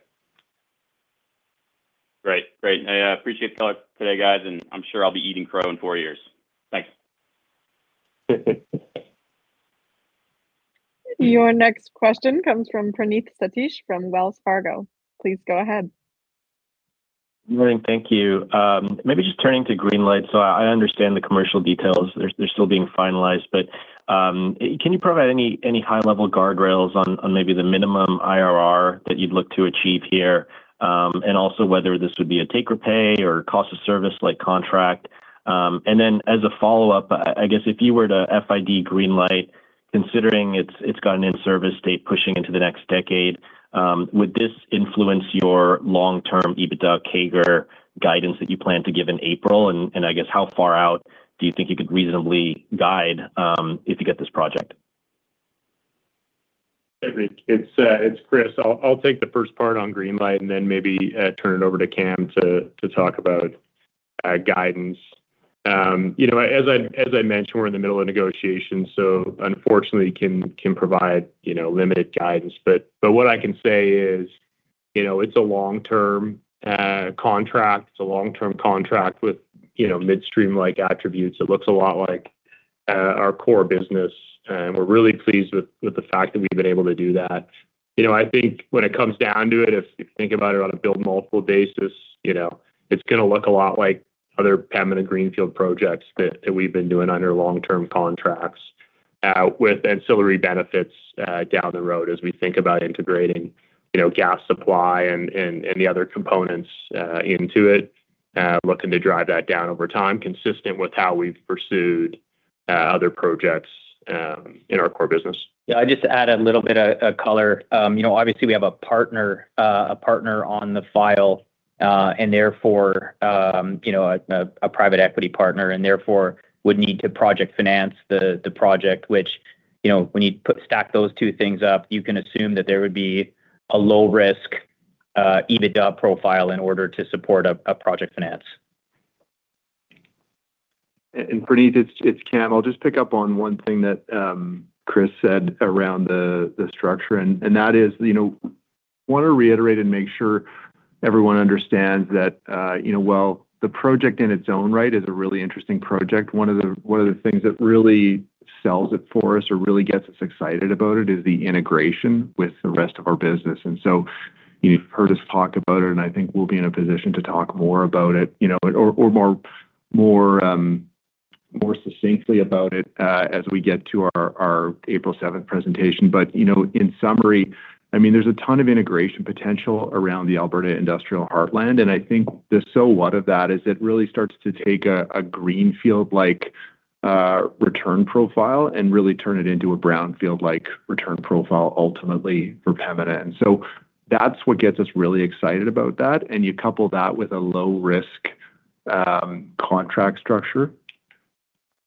Great. Great. I appreciate the call today, guys, and I'm sure I'll be eating crow in four years. Thanks.
Your next question comes from Praneeth Satish from Wells Fargo. Please go ahead.
Morning. Thank you. Maybe just turning to Greenlight. I understand the commercial details, they're still being finalized, but can you provide any high-level guardrails on maybe the minimum IRR that you'd look to achieve here? Also whether this would be a take or pay or cost of service like contract? As a follow-up, I guess if you were to FID Greenlight, considering it's got an in-service date pushing into the next decade, would this influence your long-term EBITDA CAGR guidance that you plan to give in April? I guess, how far out do you think you could reasonably guide if you get this project?
Hey, Praneeth it's Chris. I'll take the first part on Greenlight, and then maybe turn it over to Cam to talk about guidance. You know, as I mentioned, we're in the middle of negotiations, so unfortunately can provide, you know, limited guidance. What I can say is, you know, it's a long-term contract. It's a long-term contract with, you know, midstream-like attributes. It looks a lot like our core business, and we're really pleased with the fact that we've been able to do that. You know, I think when it comes down to it, if you think about it on a build multiple basis, you know, it's gonna look a lot like other permanent Greenfield projects that we've been doing under long-term contracts, with ancillary benefits down the road as we think about integrating, you know, gas supply and the other components into it, looking to drive that down over time, consistent with how we've pursued other projects in our core business.
Yeah, I'll just add a little bit of color. You know, obviously, we have a partner, a partner on the file, and therefore, you know, a private equity partner, and therefore would need to project finance the project, which, you know, when you stack those two things up, you can assume that there would be a low risk, EBITDA profile in order to support a project finance.
Praneeth, it's Cam. I'll just pick up on one thing that Chris said around the structure, and that is, you know, I wanna reiterate and make sure everyone understands that, you know, while the project in its own right is a really interesting project, one of the things that really sells it for us or really gets us excited about it is the integration with the rest of our business. You've heard us talk about it, and I think we'll be in a position to talk more about it, you know, or more succinctly about it, as we get to our 7th April presentation. You know, in summary, I mean, there's a ton of integration potential around the Alberta Industrial Heartland, and I think the so what of that is it really starts to take a greenfield-like return profile and really turn it into a brownfield-like return profile ultimately for Pembina. That's what gets us really excited about that, and you couple that with a low-risk contract structure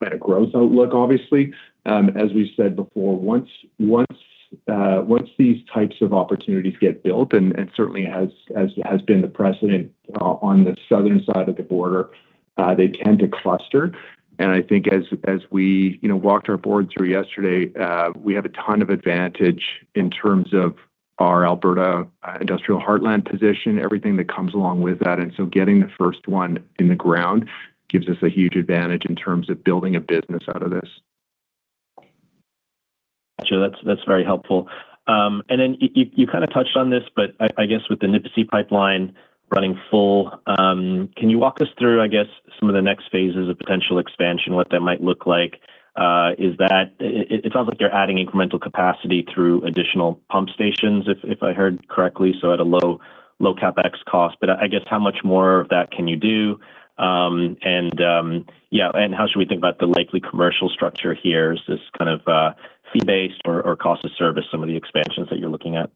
and a growth outlook, obviously. As we've said before, once these types of opportunities get built, and certainly as has been the precedent on the southern side of the border, they tend to cluster. I think as we, you know, walked our board through yesterday, we have a ton of advantage in terms of our Alberta Industrial Heartland position, everything that comes along with that. Getting the first one in the ground gives us a huge advantage in terms of building a business out of this.
Sure. That's, that's very helpful. You kind of touched on this, but I guess with the Nipisi Pipeline running full, can you walk us through, I guess, some of the next phases of potential expansion, what that might look like? Is that it sounds like you're adding incremental capacity through additional pump stations, if I heard correctly, at a low, low CapEx cost. I guess, how much more of that can you do? How should we think about the likely commercial structure here? Is this kind of fee-based or cost of service, some of the expansions that you're looking at?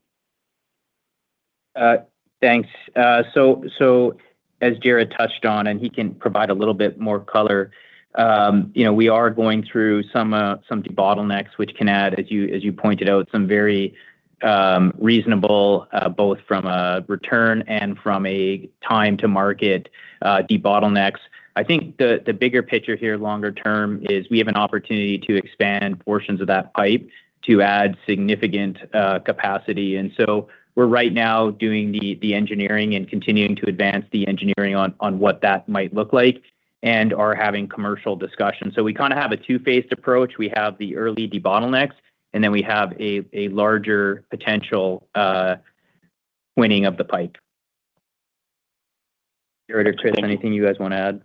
Thanks. As Jaret touched on, and he can provide a little bit more color, you know, we are going through some bottlenecks, which can add, as you, as you pointed out, some very reasonable, both from a return and from a time to market, debottlenecks. I think the bigger picture here, longer term, is we have an opportunity to expand portions of that pipe to add significant capacity. We're right now doing the engineering and continuing to advance the engineering on what that might look like and are having commercial discussions. We kinda have a two-phased approach. We have the early debottlenecks, and then we have a larger potential winning of the pipe. Jaret or Chris, anything you guys wanna add?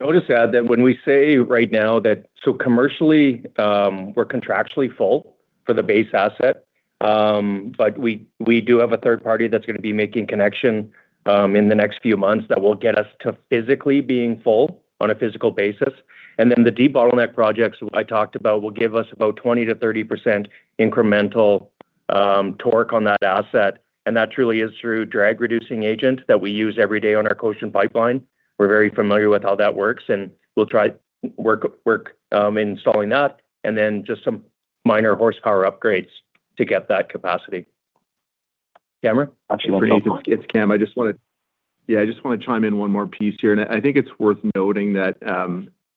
I would just add that when we say right now that commercially, we're contractually full for the base asset, but we do have a third party that's gonna be making connection in the next few months that will get us to physically being full on a physical basis. The debottleneck projects, which I talked about, will give us about 20%-30% incremental torque on that asset, and that truly is through drag reducing agent that we use every day on our Cochin Pipeline. We're very familiar with how that works, and we'll try installing that, and then just some minor horsepower upgrades to get that capacity. Cameron?
Actually, it's Cam. I just wanna chime in one more piece here. I think it's worth noting that,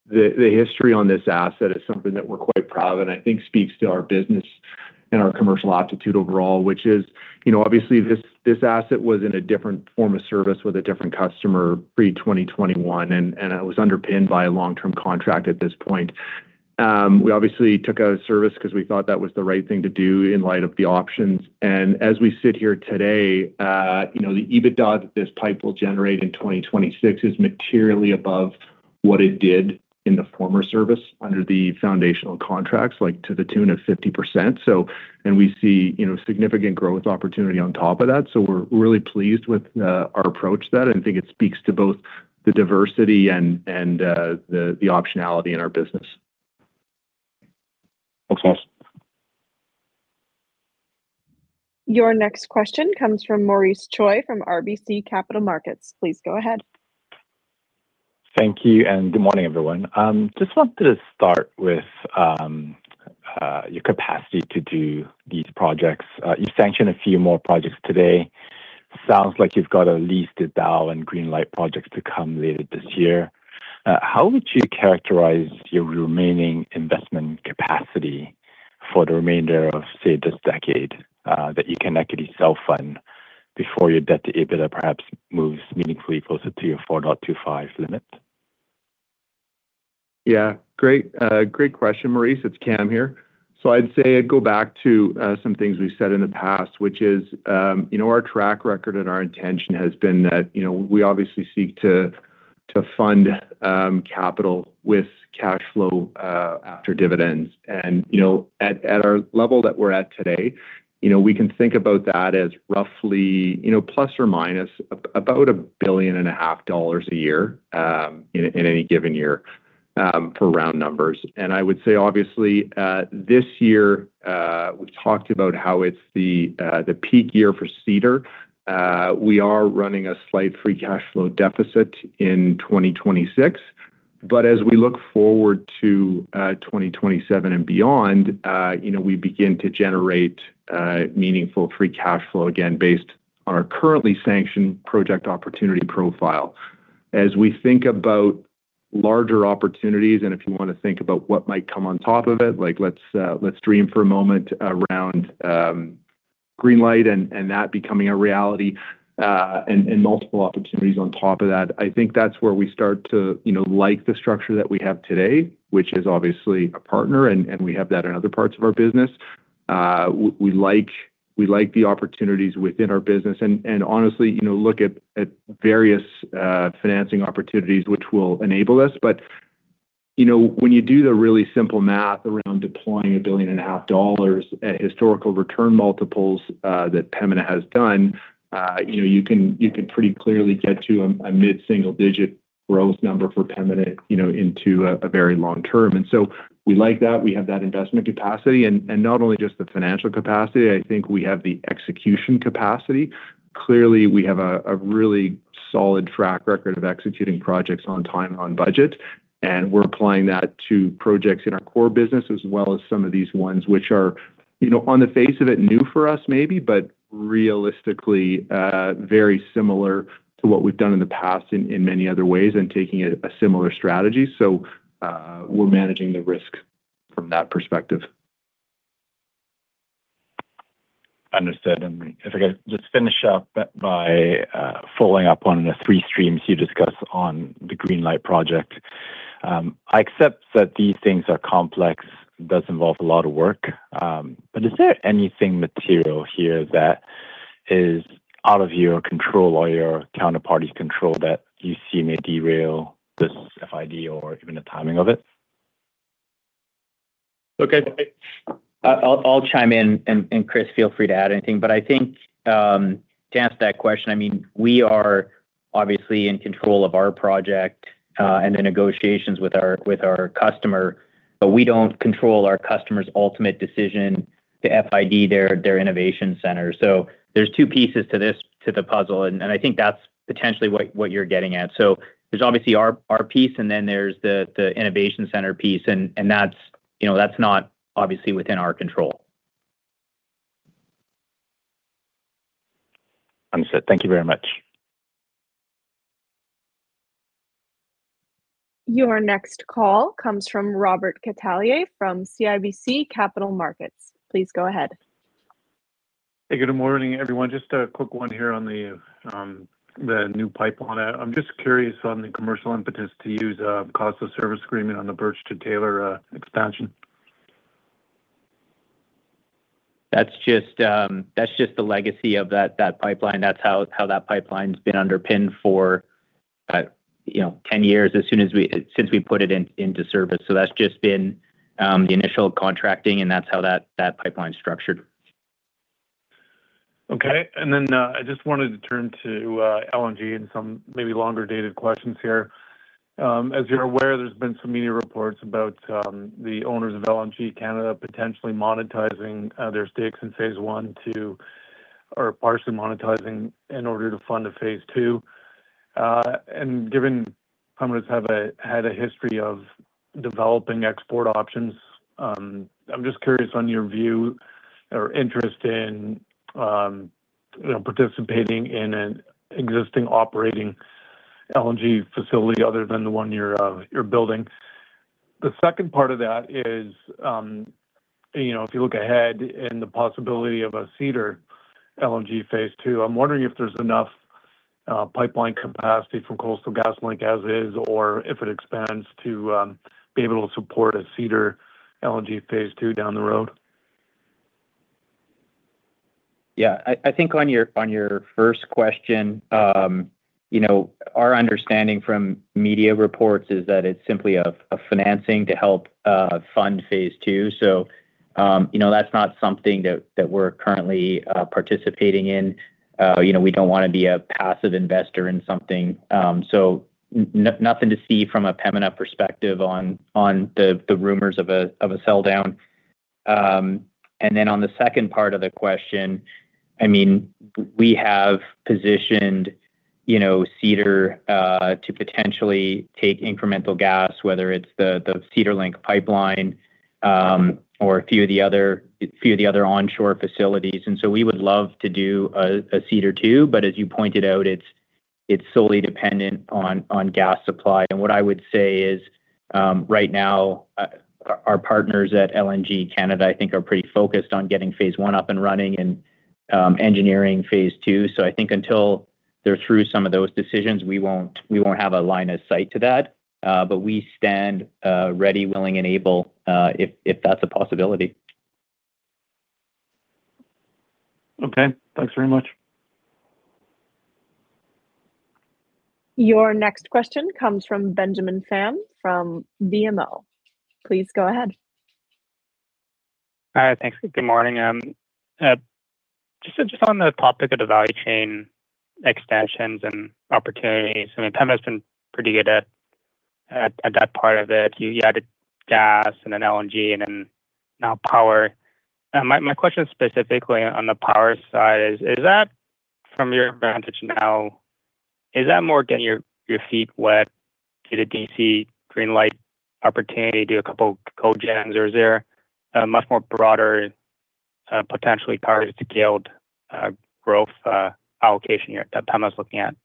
the history on this asset is something that we're quite proud of and I think speaks to our business and our commercial aptitude overall, which is, you know, obviously, this asset was in a different form of service with a different customer pre-2021, and it was underpinned by a long-term contract at this point. We obviously took out a service because we thought that was the right thing to do in light of the options. As we sit here today, you know, the EBITDA that this pipe will generate in 2026 is materially above what it did in the former service under the foundational contracts, like, to the tune of 50%. We see, you know, significant growth opportunity on top of that. We're really pleased with our approach to that, and I think it speaks to both the diversity and the optionality in our business.
Thanks, guys.
Your next question comes from Maurice Choy from RBC Capital Markets. Please go ahead.
Thank you. Good morning, everyone. Just wanted to start with your capacity to do these projects. You sanctioned a few more projects today. Sounds like you've got at least a dial and greenlight projects to come later this year. How would you characterize your remaining investment capacity for the remainder of, say, this decade that you can actually self-fund before your debt to EBITDA perhaps moves meaningfully closer to your 4.25 limit?
Yeah. Great, great question, Maurice. It's Cam here. I'd say I'd go back to some things we've said in the past, which is, you know, our track record and our intention has been that, you know, we obviously seek to fund capital with cash flow after dividends. At our level that we're at today, you know, we can think about that as roughly, you know, plus or minus about a billion and a half dollars a year in any given year for round numbers. I would say, obviously, this year, we've talked about how it's the peak year for Cedar. We are running a slight free cash flow deficit in 2026. As we look forward to 2027 and beyond, you know, we begin to generate meaningful free cash flow again, based on our currently sanctioned project opportunity profile. As we think about larger opportunities, and if you want to think about what might come on top of it, like, let's dream for a moment around Greenlight and that becoming a reality, and multiple opportunities on top of that, I think that's where we start to, you know, like the structure that we have today, which is obviously a partner, and we have that in other parts of our business. We like, we like the opportunities within our business and honestly, you know, look at various financing opportunities which will enable us. You know, when you do the really simple math around deploying a billion and a half dollars at historical return multiples, that Pembina has done, you know, you can pretty clearly get to a mid-single-digit growth number for Pembina, you know, into a very long term. We like that. We have that investment capacity and not only just the financial capacity, I think we have the execution capacity. Clearly, we have a really solid track record of executing projects on time, on budget, and we're applying that to projects in our core business as well as some of these ones which are, you know, on the face of it, new for us, maybe, but realistically, very similar to what we've done in the past in many other ways and taking a similar strategy. We're managing the risk from that perspective.
Understood. If I could just finish up by following up on the three streams you discussed on the Greenlight project. I accept that these things are complex, does involve a lot of work, but is there anything material here that is out of your control or your counterparties control that you see may derail this FID or even the timing of it?
Okay.
I'll chime in, and Chris, feel free to add anything. I think, to answer that question, I mean, we are obviously in control of our project, and the negotiations with our customer, but we don't control our customer's ultimate decision to FID their innovation center. There's two pieces to the puzzle, and I think that's potentially what you're getting at. There's obviously our piece, and then there's the innovation center piece, and that's, you know, that's not obviously within our control.
Understood. Thank you very much.
Your next call comes from Robert Catellier from CIBC Capital Markets. Please go ahead.
Hey, good morning, everyone. Just a quick one here on the the new pipeline. I'm just curious on the commercial impetus to use a cost of service agreement on the Birch-to-Taylor Expansion.
That's just, that's just the legacy of that pipeline. That's how that pipeline's been underpinned for, you know, 10 years, since we put it into service. That's just been the initial contracting. That's how that pipeline's structured.
Okay. I just wanted to turn to LNG and some maybe longer-dated questions here. As you're aware, there's been some media reports about the owners of LNG Canada potentially monetizing their stakes in phase I, Two, or partially monetizing in order to fund a phase II. Given governments had a history of developing export options, I'm just curious on your view or interest in, you know, participating in an existing operating LNG facility other than the one you're building. The second part of that is, you know, if you look ahead in the possibility of a Cedar LNG phase II, I'm wondering if there's enough pipeline capacity from Coastal GasLink as is, or if it expands to be able to support a Cedar LNG phase II down the road?
Yeah. I think on your, on your first question, you know, our understanding from media reports is that it's simply a financing to help fund phase II. You know, that's not something that we're currently participating in. You know, we don't want to be a passive investor in something. Nothing to see from a Pembina perspective on the rumors of a sell down. On the second part of the question, I mean, we have positioned, you know, Cedar to potentially take incremental gas, whether it's the Cedar Link pipeline, or a few of the other onshore facilities. We would love to do a Cedar 2, but as you pointed out, it's solely dependent on gas supply. What I would say is, right now, our partners at LNG Canada, I think, are pretty focused on getting phase 1 up and running and engineering phase II. I think until they're through some of those decisions, we won't have a line of sight to that. We stand ready, willing, and able if that's a possibility.
Okay. Thanks very much.
Your next question comes from Benjamin Pham from BMO. Please go ahead.
Thanks. Good morning. Just on the topic of the value chain extensions and opportunities, I mean, Pembina's been pretty good at that part of it. You added gas and then LNG and then now power. My question specifically on the power side is that from your advantage now, is that more getting your feet wet to the Greenlight Electricity Center opportunity to a couple of cogen, or is there a much more broader, potentially power to scaled growth allocation here that Pembina's looking at?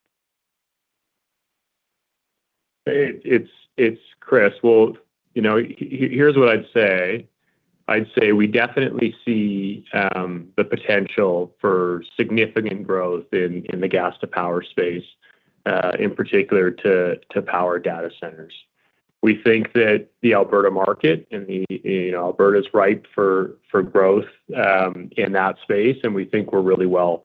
It's Chris. Well, you know, here's what I'd say. I'd say we definitely see the potential for significant growth in the gas to power space, in particular to power data centers. We think that the Alberta market and Alberta's ripe for growth in that space, and we think we're really well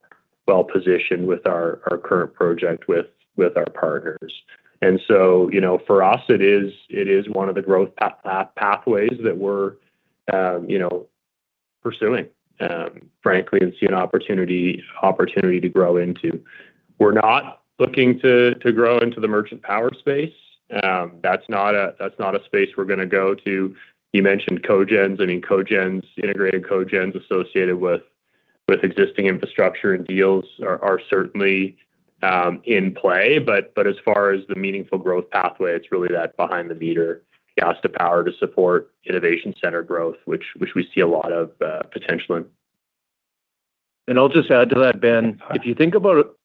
positioned with our current project with our partners. You know, for us, it is one of the growth pathways that we're pursuing, frankly, and see an opportunity to grow into. We're not looking to grow into the merchant power space. That's not a space we're gonna go to. You mentioned cogens. I mean, cogens, integrated cogens associated with existing infrastructure and deals are certainly in play, but as far as the meaningful growth pathway, it's really that behind the meter, gas to power to support innovation center growth, which we see a lot of potential in.
I'll just add to that, Ben. If you think about,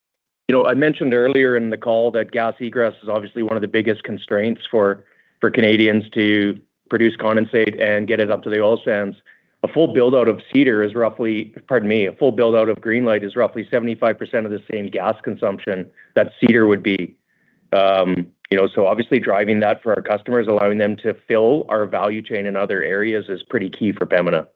you know, I mentioned earlier in the call that gas egress is obviously one of the biggest constraints for Canadians to produce condensate and get it up to the oil sands. A full build-out of Cedar is roughly. Pardon me. A full build-out of Greenlight is roughly 75% of the same gas consumption that Cedar would be. You know, so obviously driving that for our customers, allowing them to fill our value chain in other areas is pretty key for Pembina.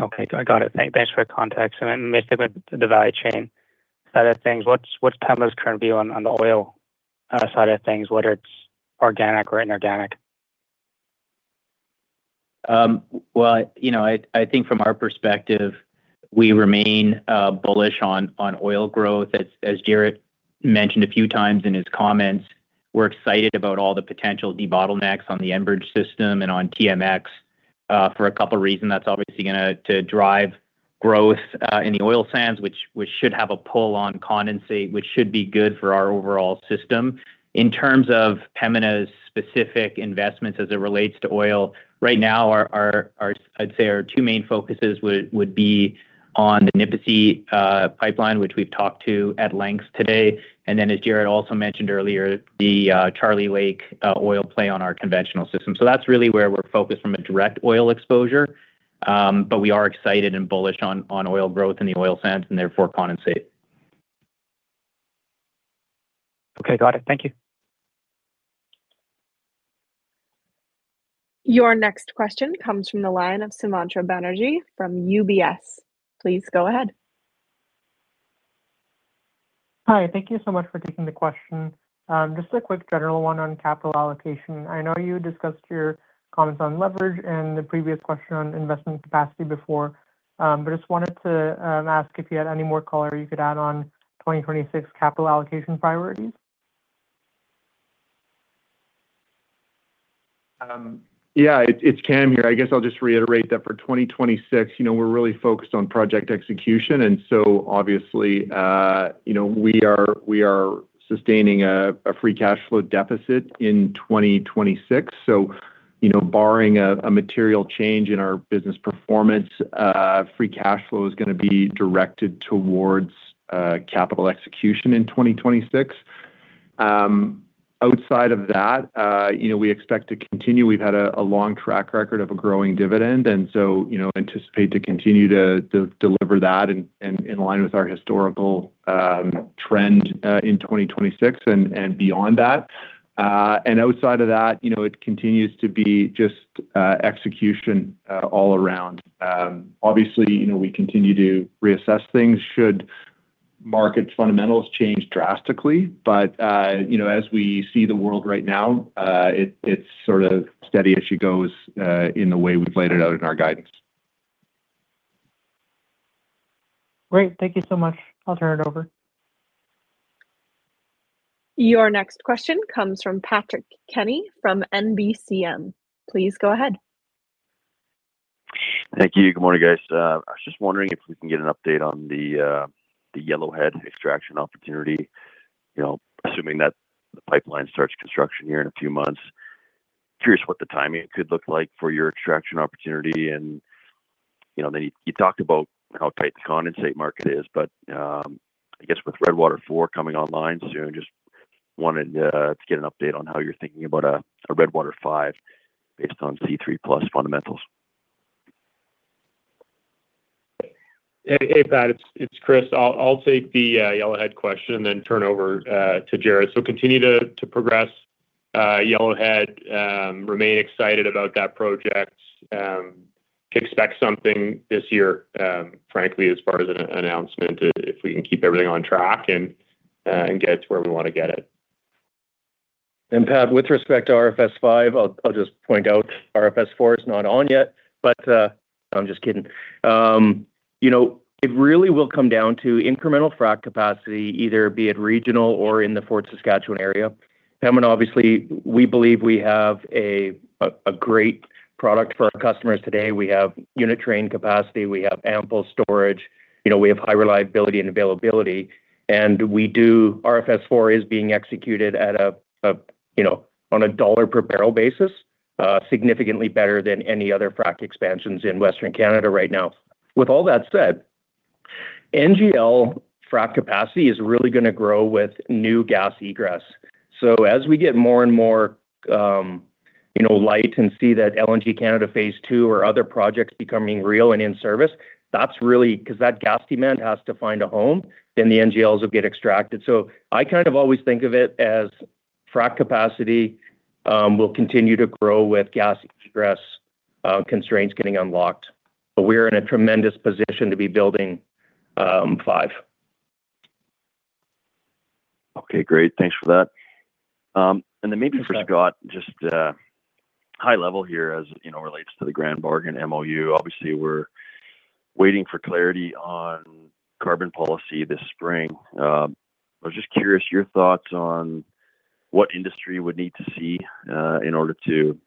Okay, I got it. Thanks for the context. Then sticking with the value chain side of things, what's Pembina's current view on the oil side of things, whether it's organic or inorganic?
Well, you know, I think from our perspective, we remain bullish on oil growth. As Jaret mentioned a fewx in his comments, we're excited about all the potential debottlenecks on the Enbridge system and on TMX for a couple of reasons. That's obviously going to drive growth in the oil sands, which should have a pull on condensate, which should be good for our overall system. In terms of Pembina's specific investments as it relates to oil, right now, I'd say our two main focuses would be on the Nipisi pipeline, which we've talked to at length today. As Jaret also mentioned earlier, the Charlie Lake oil play on our conventional system. That's really where we're focused from a direct oil exposure. We are excited and bullish on oil growth in the oil sands and therefore condensate.
Okay, got it. Thank you.
Your next question comes from the line of Sumantra Banerjee from UBS. Please go ahead.
Hi, thank you so much for taking the question. Just a quick general one on capital allocation. I know you discussed your comments on leverage and the previous question on investment capacity before, but just wanted to ask if you had any more color you could add on 2026 capital allocation priorities.
Yeah, it's Cam here. I guess I'll just reiterate that for 2026, you know, we're really focused on project execution, and so obviously, you know, we are sustaining a free cash flow deficit in 2026. You know, barring a material change in our business performance, free cash flow is gonna be directed towards capital execution in 2026.
Outside of that, you know, we expect to continue. We've had a long track record of a growing dividend, and so, you know, anticipate to continue to deliver that and in line with our historical trend in 2026 and beyond that. Outside of that, you know, it continues to be just execution all around. Obviously, you know, we continue to reassess things should market fundamentals change drastically. You know, as we see the world right now, it's sort of steady as she goes in the way we've laid it out in our guidance.
Great. Thank you so much. I'll turn it over.
Your next question comes from Patrick Kenny from NBCM. Please go ahead.
Thank you. Good morning, guys. I was just wondering if we can get an update on the Yellowhead extraction opportunity. You know, assuming that the pipeline starts construction here in a few months, curious what the timing could look like for your extraction opportunity? You know, then you talked about how tight the condensate market is, but I guess with Redwater IV coming online soon, just wanted to get an update on how you're thinking about a Redwater V based on C3+ fundamentals?
Hey, Pat, it's Chris. I'll take the Yellowhead question, and then turn over to Jaret. Continue to progress Yellowhead, remain excited about that project. Expect something this year, frankly, as far as an announcement, if we can keep everything on track and get it to where we want to get it.
Pat, with respect to RFS V, I'll just point out RFS IV is not on yet. I'm just kidding. You know, it really will come down to incremental frac capacity, either be it regional or in the Fort Saskatchewan area. Pembina, obviously, we believe we have a great product for our customers today. We have unit train capacity, we have ample storage, you know, we have high reliability and availability. RFS IV is being executed at a, you know, on a CAD per barrel basis, significantly better than any other frac expansions in Western Canada right now. With all that said, NGL frac capacity is really gonna grow with new gas egress. As we get more and more, you know, light and see that LNG Canada phase II or other projects becoming real and in service, that's really because that gas demand has to find a home, then the NGLs will get extracted. I kind of always think of it as frac capacity, will continue to grow with gas egress, constraints getting unlocked. We're in a tremendous position to be building, five.
Okay, great. Thanks for that. Then maybe forgot, just high level here, as, you know, relates to the Grand Bargain MOU. Obviously, we're waiting for clarity on carbon policy this spring. I was just curious, your thoughts on what industry would need to see, in order to, you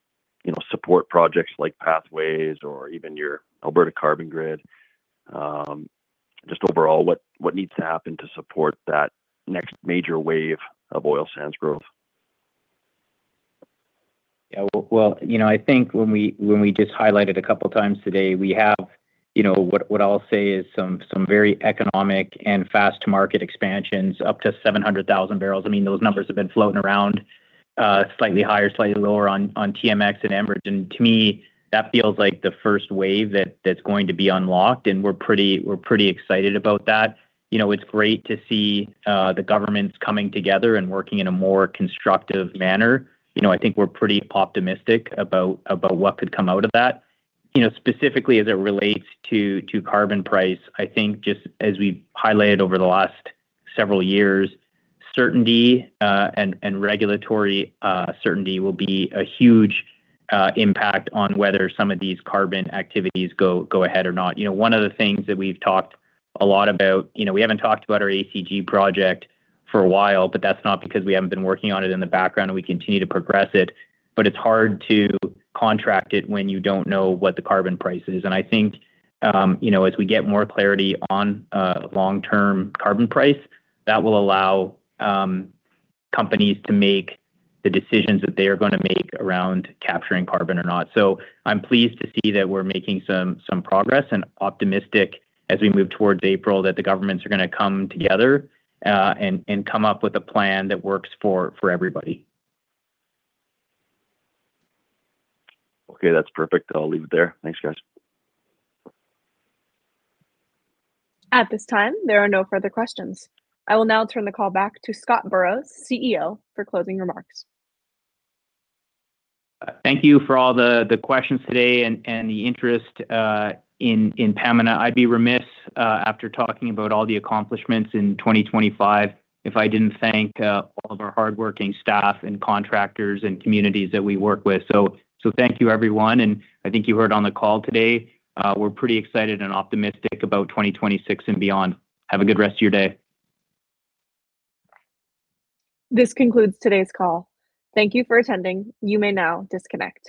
know, support projects like Pathways or even your Alberta Carbon Grid? Just overall, what needs to happen to support that next major wave of oil sands growth?
Yeah, well, you know, I think when we just highlighted a couple ofx today, we have, you know, what I'll say is some very economic and fast-to-market expansions, up to 700,000 barrels. I mean, those numbers have been floating around, slightly higher, slightly lower on TMX and Enbridge. To me, that feels like the first wave that's going to be unlocked, and we're pretty excited about that. You know, it's great to see the governments coming together and working in a more constructive manner. You know, I think we're pretty optimistic about what could come out of that. You know, specifically as it relates to carbon price, I think just as we've highlighted over the last several years, certainty, and regulatory certainty will be a huge impact on whether some of these carbon activities go ahead or not. You know, one of the things that we've talked a lot about. You know, we haven't talked about our ACG project for a while, but that's not because we haven't been working on it in the background, And we continue to progress it, but it's hard to contract it when you don't know what the carbon price is. I think, you know, as we get more clarity on long-term carbon price, that will allow companies to make the decisions that they are gonna make around capturing carbon or not. I'm pleased to see that we're making some progress, and optimistic as we move towards April, that the governments are gonna come together, and come up with a plan that works for everybody.
Okay, that's perfect. I'll leave it there. Thanks, guys.
At this time, there are no further questions. I will now turn the call back to Scott Burrows, CEO, for closing remarks.
Thank you for all the questions today and the interest in Pikka. I'd be remiss after talking about all the accomplishments in 2025, if I didn't thank all of our hardworking staff and contractors and communities that we work with. So thank you, everyone. I think you heard on the call today, we're pretty excited and optimistic about 2026 and beyond. Have a good rest of your day.
This concludes today's call. Thank you for attending. You may now disconnect.